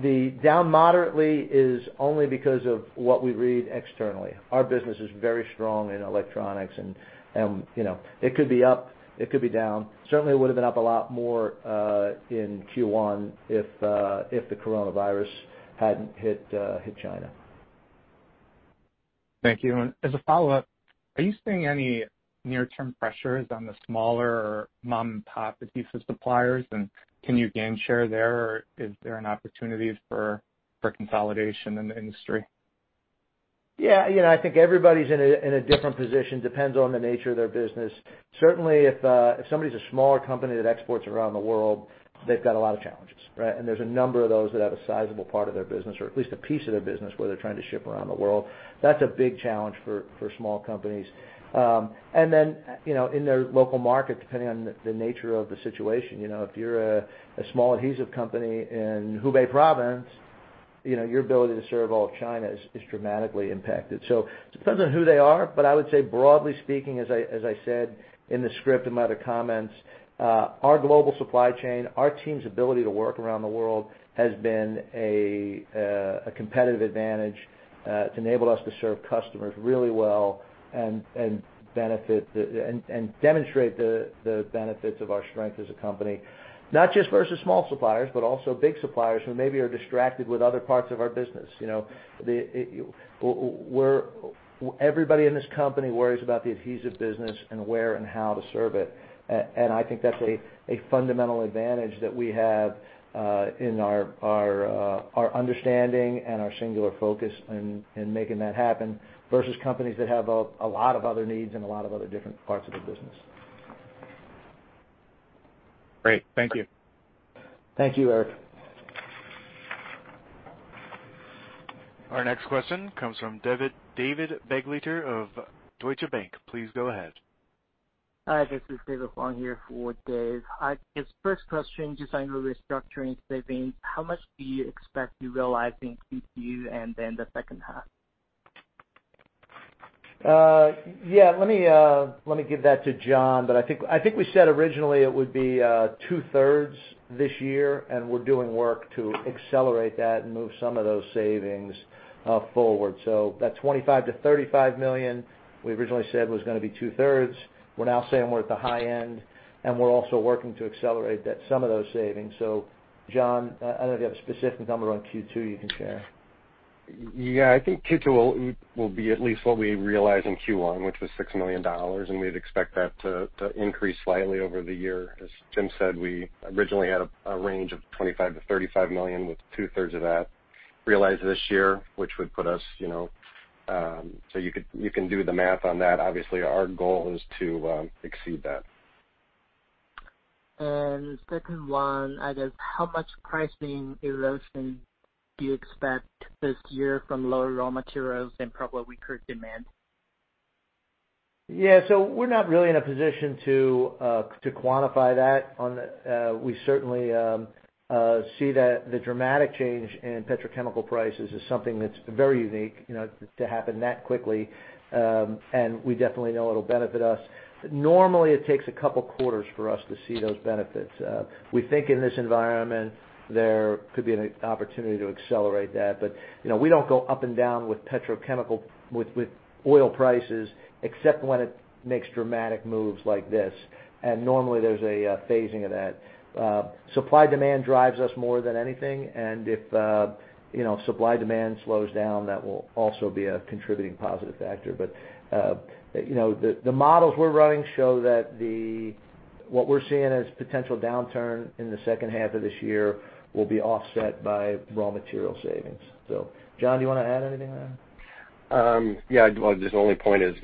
the down moderately is only because of what we read externally. Our business is very strong in electronics, and it could be up, it could be down. Certainly would've been up a lot more in Q1 if the coronavirus hadn't hit China. Thank you. As a follow-up, are you seeing any near-term pressures on the smaller mom-pop adhesive suppliers, and can you gain share there, or is there an opportunity for consolidation in the industry? Yeah. I think everybody's in a different position, depends on the nature of their business. Certainly, if somebody's a smaller company that exports around the world, they've got a lot of challenges. There's a number of those that have a sizable part of their business, or at least a piece of their business where they're trying to ship around the world. That's a big challenge for small companies. In their local market, depending on the nature of the situation, if you're a small adhesive company in Hubei province, your ability to serve all of China is dramatically impacted. It depends on who they are, but I would say broadly speaking, as I said in the script, in my other comments, our global supply chain, our team's ability to work around the world, has been a competitive advantage. It's enabled us to serve customers really well and demonstrate the benefits of our strength as a company, not just versus small suppliers, but also big suppliers who maybe are distracted with other parts of our business. Everybody in this company worries about the adhesive business and where and how to serve it. I think that's a fundamental advantage that we have, in our understanding and our singular focus in making that happen versus companies that have a lot of other needs and a lot of other different parts of the business. Great. Thank you. Thank you, Eric. Our next question comes from David Begleiter of Deutsche Bank. Please go ahead. Hi, this is David Huang here for Dave. I guess first question, just on the restructuring savings, how much do you expect to realize in Q2 and then the second half? Yeah. Let me give that to John. I think we said originally it would be 2/3 this year, and we're doing work to accelerate that and move some of those savings forward. That $25 million-$35 million we originally said was going to be 2/3. We're now saying we're at the high end, and we're also working to accelerate some of those savings. John, I don't know if you have a specific number on Q2 you can share. Yeah, I think Q2 will be at least what we realized in Q1, which was $6 million, and we'd expect that to increase slightly over the year. As Jim said, we originally had a range of $25 million-$35 million, with 2/3 of that realized this year. You can do the math on that. Obviously, our goal is to exceed that. Second one, I guess how much pricing erosion do you expect this year from lower raw materials and probably weaker demand? Yeah. We're not really in a position to quantify that. We certainly see that the dramatic change in petrochemical prices is something that's very unique, to happen that quickly. We definitely know it'll benefit us. Normally, it takes a couple of quarters for us to see those benefits. We think in this environment, there could be an opportunity to accelerate that. We don't go up and down with oil prices except when it makes dramatic moves like this. Normally there's a phasing of that. Supply-demand drives us more than anything, and if supply-demand slows down, that will also be a contributing positive factor. The models we're running show that what we're seeing as potential downturn in the second half of this year will be offset by raw material savings. John, do you want to add anything there? Yeah. Just the only point is,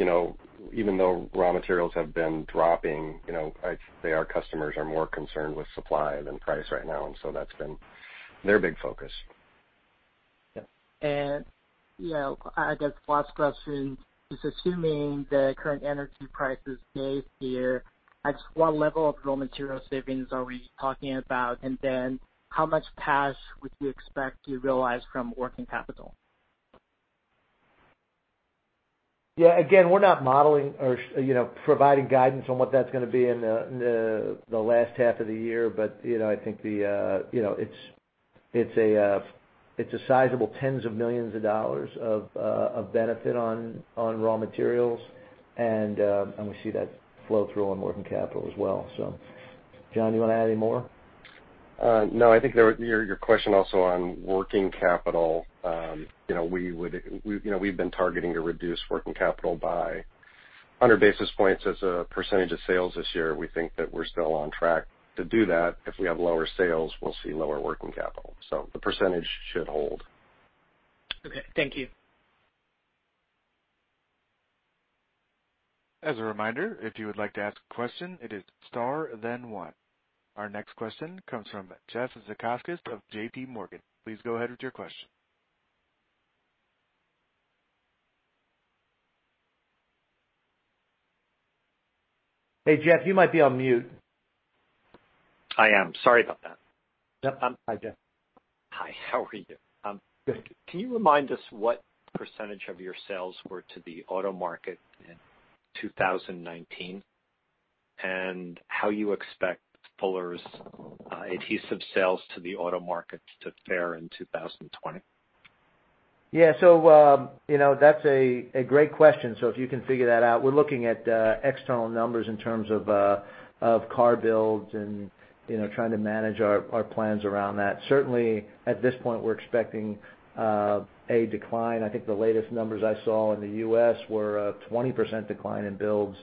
even though raw materials have been dropping, I'd say our customers are more concerned with supply than price right now. That's been their big focus. Yeah. I guess last question is assuming the current energy prices stay here, what level of raw material savings are we talking about? How much cash would you expect to realize from working capital? Yeah. Again, we're not modeling or providing guidance on what that's going to be in the last half of the year. I think it's a sizable tens of millions of dollars of benefit on raw materials. We see that flow through on working capital as well. John, do you want to add any more? No, I think your question also on working capital. We've been targeting to reduce working capital by 100 basis points as a percentage of sales this year. We think that we're still on track to do that. If we have lower sales, we'll see lower working capital, so the percentage should hold. Okay. Thank you. As a reminder, if you would like to ask a question, it is star, then one. Our next question comes from Jeff Zekauskas of JPMorgan. Please go ahead with your question. Hey, Jeff, you might be on mute. I am. Sorry about that. Yep. Hi, Jeff. Hi. How are you? Good. Can you remind us what percentage of your sales were to the auto market in 2019, and how you expect Fuller's adhesive sales to the auto market to fare in 2020? Yeah. That's a great question. If you can figure that out, we're looking at external numbers in terms of car builds and trying to manage our plans around that. Certainly, at this point, we're expecting a decline. I think the latest numbers I saw in the U.S. were a 20% decline in builds,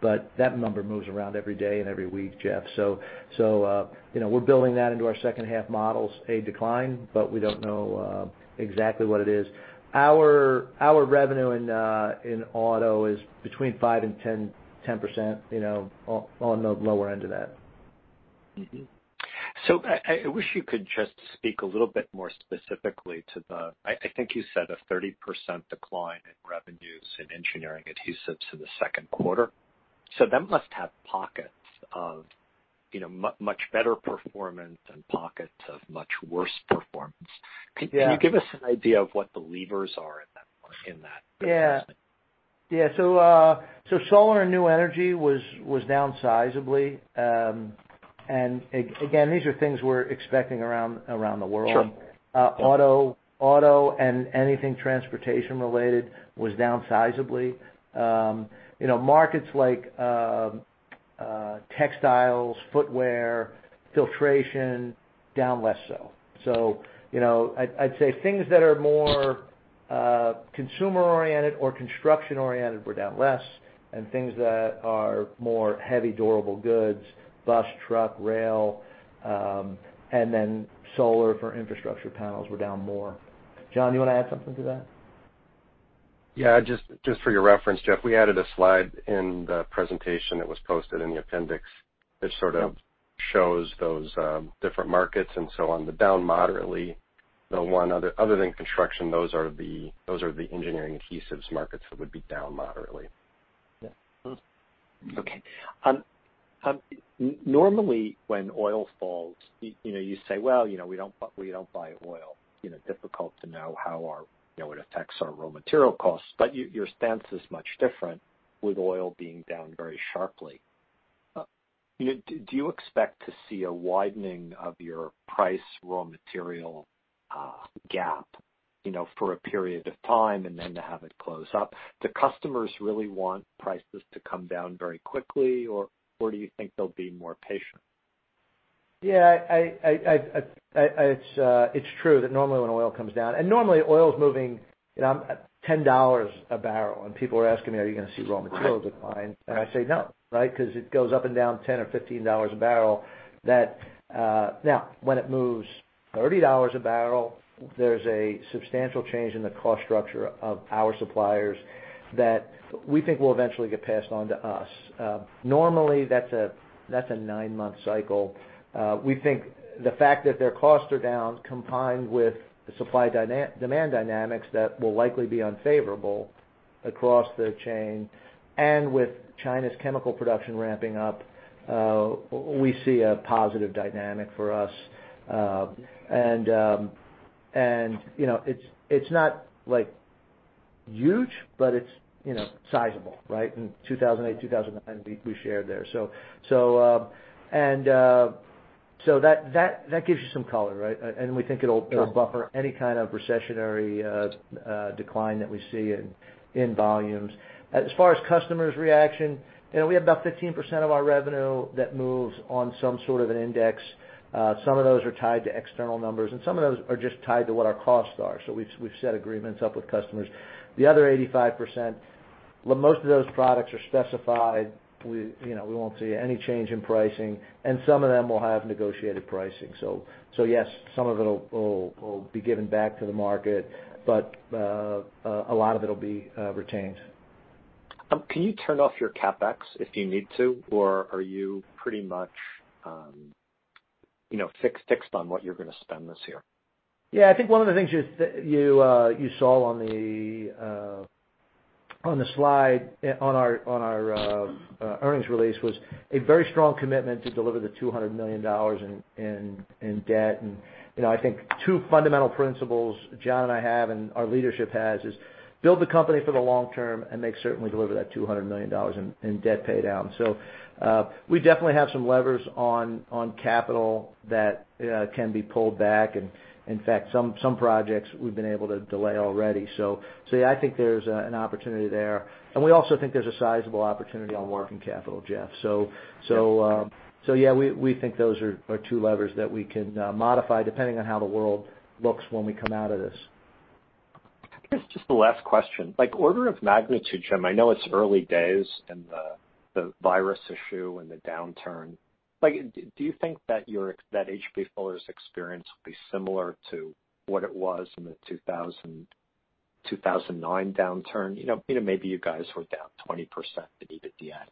but that number moves around every day and every week, Jeff. We're building that into our second-half models, a decline, but we don't know exactly what it is. Our revenue in auto is between 5% and 10%, on the lower end of that. I wish you could just speak a little bit more specifically to the, I think you said, a 30% decline in revenues in Engineering Adhesives in the second quarter. That must have pockets of much better performance and pockets of much worse performance. Yeah. Can you give us an idea of what the levers are in that business? Yeah. Solar and new energy was down sizeably. Again, these are things we're expecting around the world. Sure. Auto anything transportation related was down sizeably. Markets like textiles, footwear, filtration, down less so. I'd say things that are more consumer oriented or construction oriented were down less, and things that are more heavy durable goods, bus, truck, rail, then solar for infrastructure panels were down more. John, you want to add something to that? Yeah, just for your reference, Jeff, we added a slide in the presentation that was posted in the appendix that sort of shows those different markets and so on. The one other than construction, those are the Engineering Adhesives markets that would be down moderately. Yeah. Okay. Normally, when oil falls, you say, "Well, we don't buy oil, difficult to know how it affects our raw material costs." Your stance is much different with oil being down very sharply. Do you expect to see a widening of your price raw material gap for a period of time and then to have it close up? Do customers really want prices to come down very quickly, or do you think they'll be more patient? Yeah. It's true that normally when oil comes down normally oil's moving $10 a barrel, and people are asking me, "Are you going to see raw materials decline?" I say, "No." Because it goes up and down $10 or $15 a barrel. Now, when it moves $30 a barrel, there's a substantial change in the cost structure of our suppliers that we think will eventually get passed on to us. Normally, that's a nine-month cycle. We think the fact that their costs are down, combined with the supply demand dynamics that will likely be unfavorable across the chain, and with China's chemical production ramping up, we see a positive dynamic for us. It's not huge, but it's sizable, right? In 2008, 2009, we shared there. That gives you some color, right? We think it'll buffer any kind of recessionary decline that we see in volumes. As far as customers' reaction, we have about 15% of our revenue that moves on some sort of an index. Some of those are tied to external numbers, and some of those are just tied to what our costs are. We've set agreements up with customers. The other 85%, most of those products are specified. We won't see any change in pricing, and some of them will have negotiated pricing. Yes, some of it will be given back to the market, but a lot of it will be retained. Can you turn off your CapEx if you need to, or are you pretty much fixed on what you're going to spend this year? I think one of the things you saw on the slide on our earnings release was a very strong commitment to deliver the $200 million in debt. I think two fundamental principles John and I have, and our leadership has, is build the company for the long term and make certain we deliver that $200 million in debt pay down. We definitely have some levers on capital that can be pulled back, and in fact, some projects we've been able to delay already. I think there's an opportunity there. We also think there's a sizable opportunity on working capital, Jeff. We think those are two levers that we can modify depending on how the world looks when we come out of this. I guess just the last question. Like order of magnitude, Jim, I know it's early days in the virus issue and the downturn. Do you think that H.B. Fuller's experience will be similar to what it was in the 2009 downturn? Maybe you guys were down 20% EBITDA.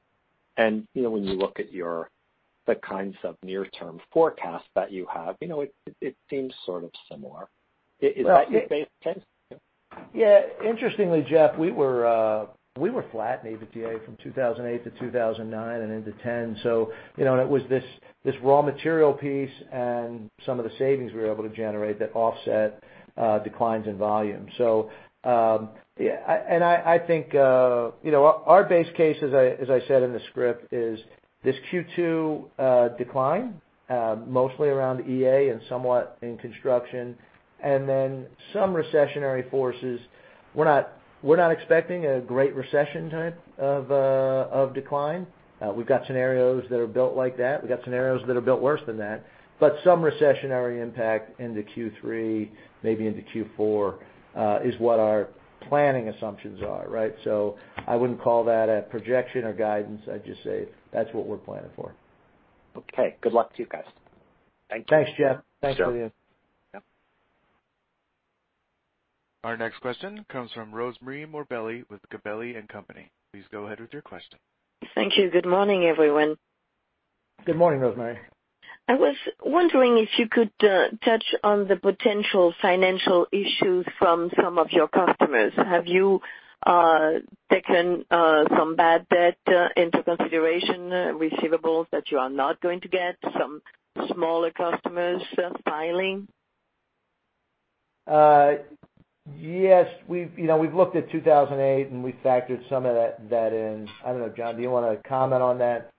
When you look at the kinds of near-term forecasts that you have, it seems sort of similar. Is that your base case? Yeah. Interestingly, Jeff, we were flat in EBITDA from 2008 to 2009 and into 2010. It was this raw material piece and some of the savings we were able to generate that offset declines in volume. I think our base case, as I said in the script, is this Q2 decline, mostly around EA and somewhat in construction, and then some recessionary forces. We're not expecting a Great Recession type of decline. We've got scenarios that are built like that. We've got scenarios that are built worse than that. Some recessionary impact into Q3, maybe into Q4, is what our planning assumptions are, right? I wouldn't call that a projection or guidance. I'd just say that's what we're planning for. Okay. Good luck to you guys. Thank you. Thanks, Jeff. Thanks. Yep. Our next question comes from Rosemarie Morbelli with Gabelli & Company. Please go ahead with your question. Thank you. Good morning, everyone. Good morning, Rosemarie. I was wondering if you could touch on the potential financial issues from some of your customers. Have you taken some bad debt into consideration, receivables that you are not going to get, some smaller customers filing? Yes. We've looked at 2008, and we factored some of that in. I don't know, John, do you want to comment on that?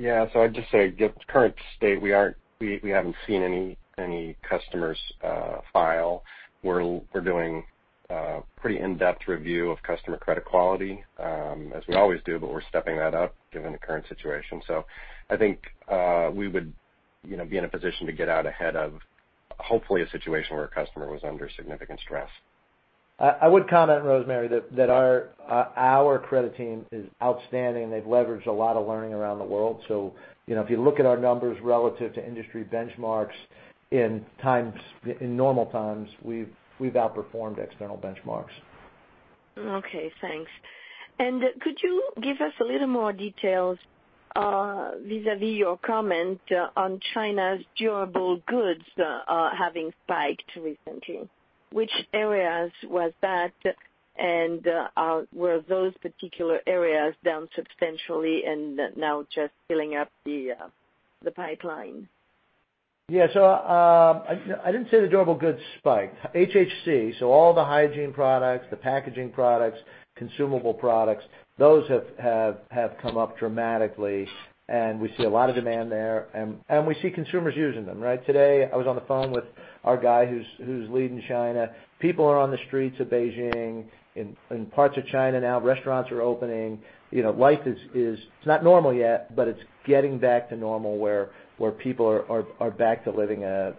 I'd just say at the current state, we haven't seen any customers file. We're doing a pretty in-depth review of customer credit quality, as we always do, but we're stepping that up given the current situation. I think we would be in a position to get out ahead of hopefully a situation where a customer was under significant stress. I would comment, Rosemarie, that our credit team is outstanding. They've leveraged a lot of learning around the world. If you look at our numbers relative to industry benchmarks in normal times, we've outperformed external benchmarks. Okay, thanks. Could you give us a little more detail vis-a-vis your comment on China's durable goods having spiked recently. Which areas was that? Were those particular areas down substantially and now just filling up the pipeline? Yeah. I didn't say the durable goods spiked. HHC, all the hygiene products, the packaging products, consumable products, those have come up dramatically, and we see a lot of demand there. We see consumers using them. Today, I was on the phone with our guy who's leading China. People are on the streets of Beijing. In parts of China now, restaurants are opening. Life is not normal yet, but it's getting back to normal, where people are back to living or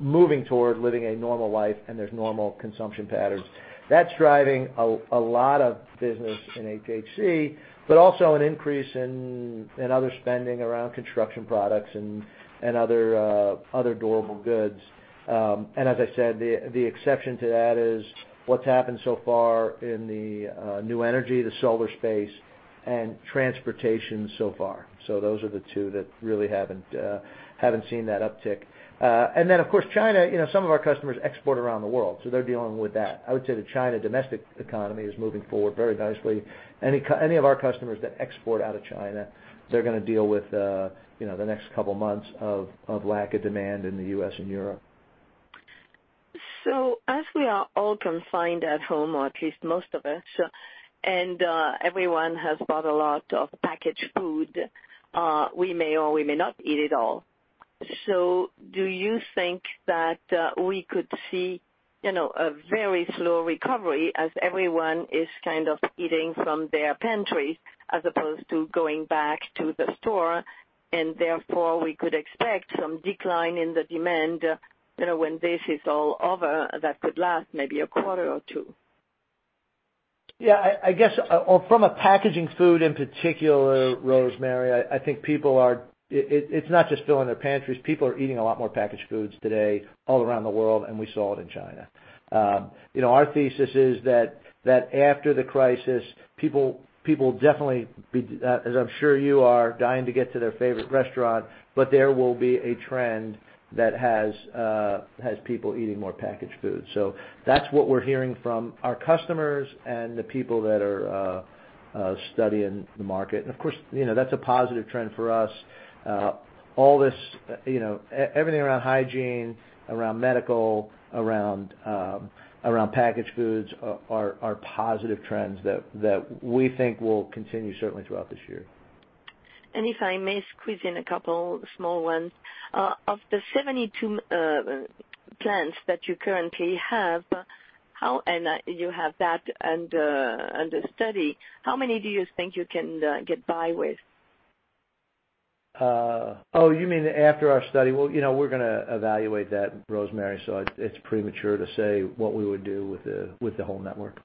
moving toward living a normal life, and there's normal consumption patterns. That's driving a lot of business in HHC, but also an increase in other spending around construction products and other durable goods. As I said, the exception to that is what's happened so far in the new energy, the solar space, and transportation so far. Those are the two that really haven't seen that uptick. Then, of course, China, some of our customers export around the world, so they're dealing with that. I would say the China domestic economy is moving forward very nicely. Any of our customers that export out of China, they're going to deal with the next couple of months of lack of demand in the U.S. and Europe. As we are all confined at home, or at least most of us, and everyone has bought a lot of packaged food, we may or we may not eat it all. Do you think that we could see a very slow recovery as everyone is kind of eating from their pantries as opposed to going back to the store, and therefore we could expect some decline in the demand when this is all over that could last maybe a quarter or two? I guess from a packaging food in particular, Rosemarie, I think it's not just filling their pantries. People are eating a lot more packaged foods today all around the world, and we saw it in China. Our thesis is that after the crisis, people definitely, as I'm sure you are, dying to get to their favorite restaurant, but there will be a trend that has people eating more packaged foods. That's what we're hearing from our customers and the people that are studying the market. Of course, that's a positive trend for us. Everything around hygiene, around medical, around packaged foods are positive trends that we think will continue certainly throughout this year. If I may squeeze in a couple small ones. Of the 72 plants that you currently have, and you have that under study, how many do you think you can get by with? Oh, you mean after our study? Well, we're going to evaluate that, Rosemarie. It's premature to say what we would do with the whole network.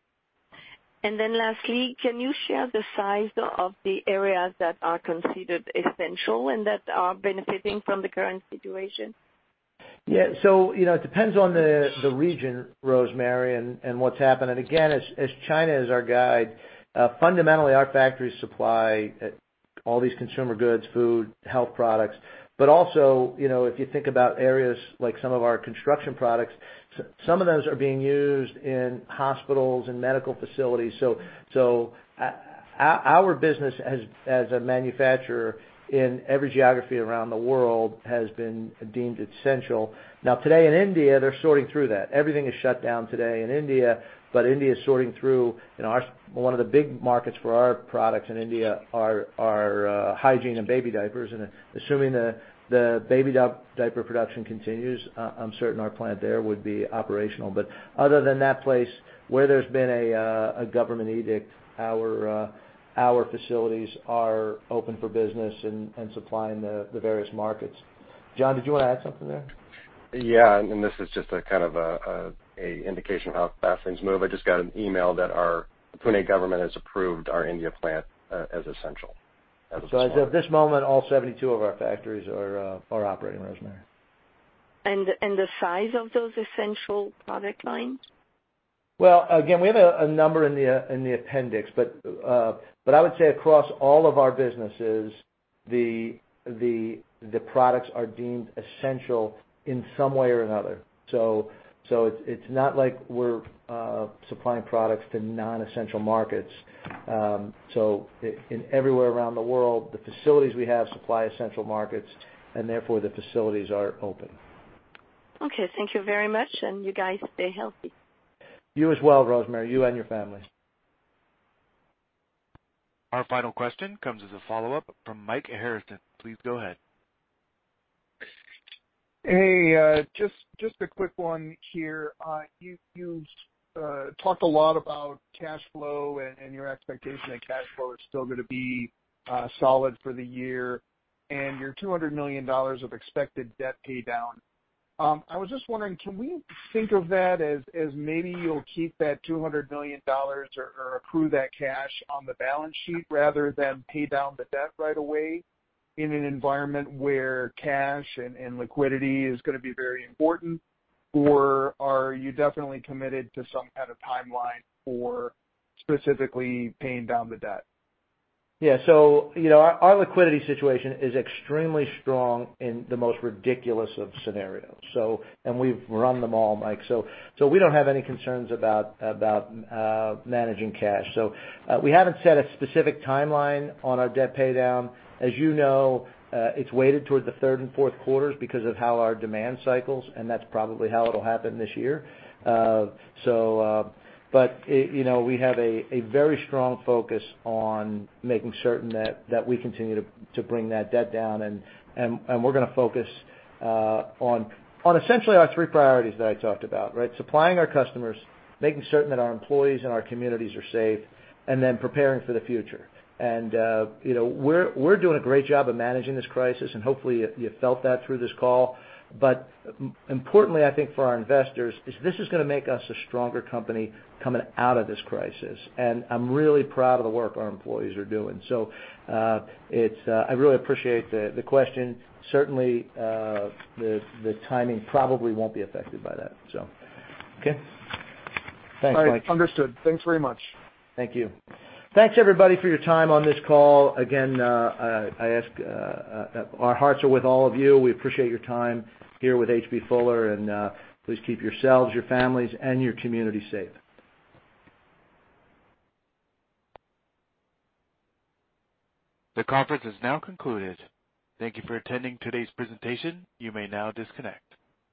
Lastly, can you share the size of the areas that are considered essential and that are benefiting from the current situation? Yeah. It depends on the region, Rosemarie, and what's happened. Again, as China is our guide, fundamentally our factories supply all these consumer goods, food, health products. Also, if you think about areas like some of our construction products, some of those are being used in hospitals and medical facilities. Our business as a manufacturer in every geography around the world has been deemed essential. Today in India, they're sorting through that. Everything is shut down today in India is sorting through. One of the big markets for our products in India are hygiene and baby diapers. Assuming the baby diaper production continues, I'm certain our plant there would be operational. Other than that place where there's been a government edict, our facilities are open for business and supplying the various markets. John, did you want to add something there? Yeah. This is just kind of an indication of how fast things move. I just got an email that our Pune government has approved our India plant as essential as of this morning. As of this moment, all 72 of our factories are operating, Rosemarie. The size of those essential product lines? Well, again, we have a number in the appendix, but I would say across all of our businesses, the products are deemed essential in some way or another. It's not like we're supplying products to non-essential markets. In everywhere around the world, the facilities we have supply essential markets, and therefore the facilities are open. Okay. Thank you very much. You guys stay healthy. You as well, Rosemarie, you and your family. Our final question comes as a follow-up from Mike Harrison. Please go ahead. Hey, just a quick one here. You talked a lot about cash flow and your expectation that cash flow is still going to be solid for the year and your $200 million of expected debt paydown. I was just wondering, can we think of that as maybe you'll keep that $200 million or accrue that cash on the balance sheet rather than pay down the debt right away in an environment where cash and liquidity is going to be very important, or are you definitely committed to some kind of timeline for specifically paying down the debt? Yeah. Our liquidity situation is extremely strong in the most ridiculous of scenarios. We've run them all, Mike. We don't have any concerns about managing cash. We haven't set a specific timeline on our debt paydown. As you know, it's weighted towards the third and fourth quarters because of how our demand cycles, and that's probably how it'll happen this year. We have a very strong focus on making certain that we continue to bring that debt down. We're going to focus on essentially our three priorities that I talked about, right? Supplying our customers, making certain that our employees and our communities are safe, and then preparing for the future. We're doing a great job of managing this crisis, and hopefully you felt that through this call. Importantly, I think for our investors, this is going to make us a stronger company coming out of this crisis. I'm really proud of the work our employees are doing. I really appreciate the question. Certainly, the timing probably won't be affected by that. Okay. Thanks, Mike. All right. Understood. Thanks very much. Thank you. Thanks everybody for your time on this call. Again, our hearts are with all of you. We appreciate your time here with H.B. Fuller, and please keep yourselves, your families, and your community safe. The conference is now concluded. Thank you for attending today's presentation. You may now disconnect.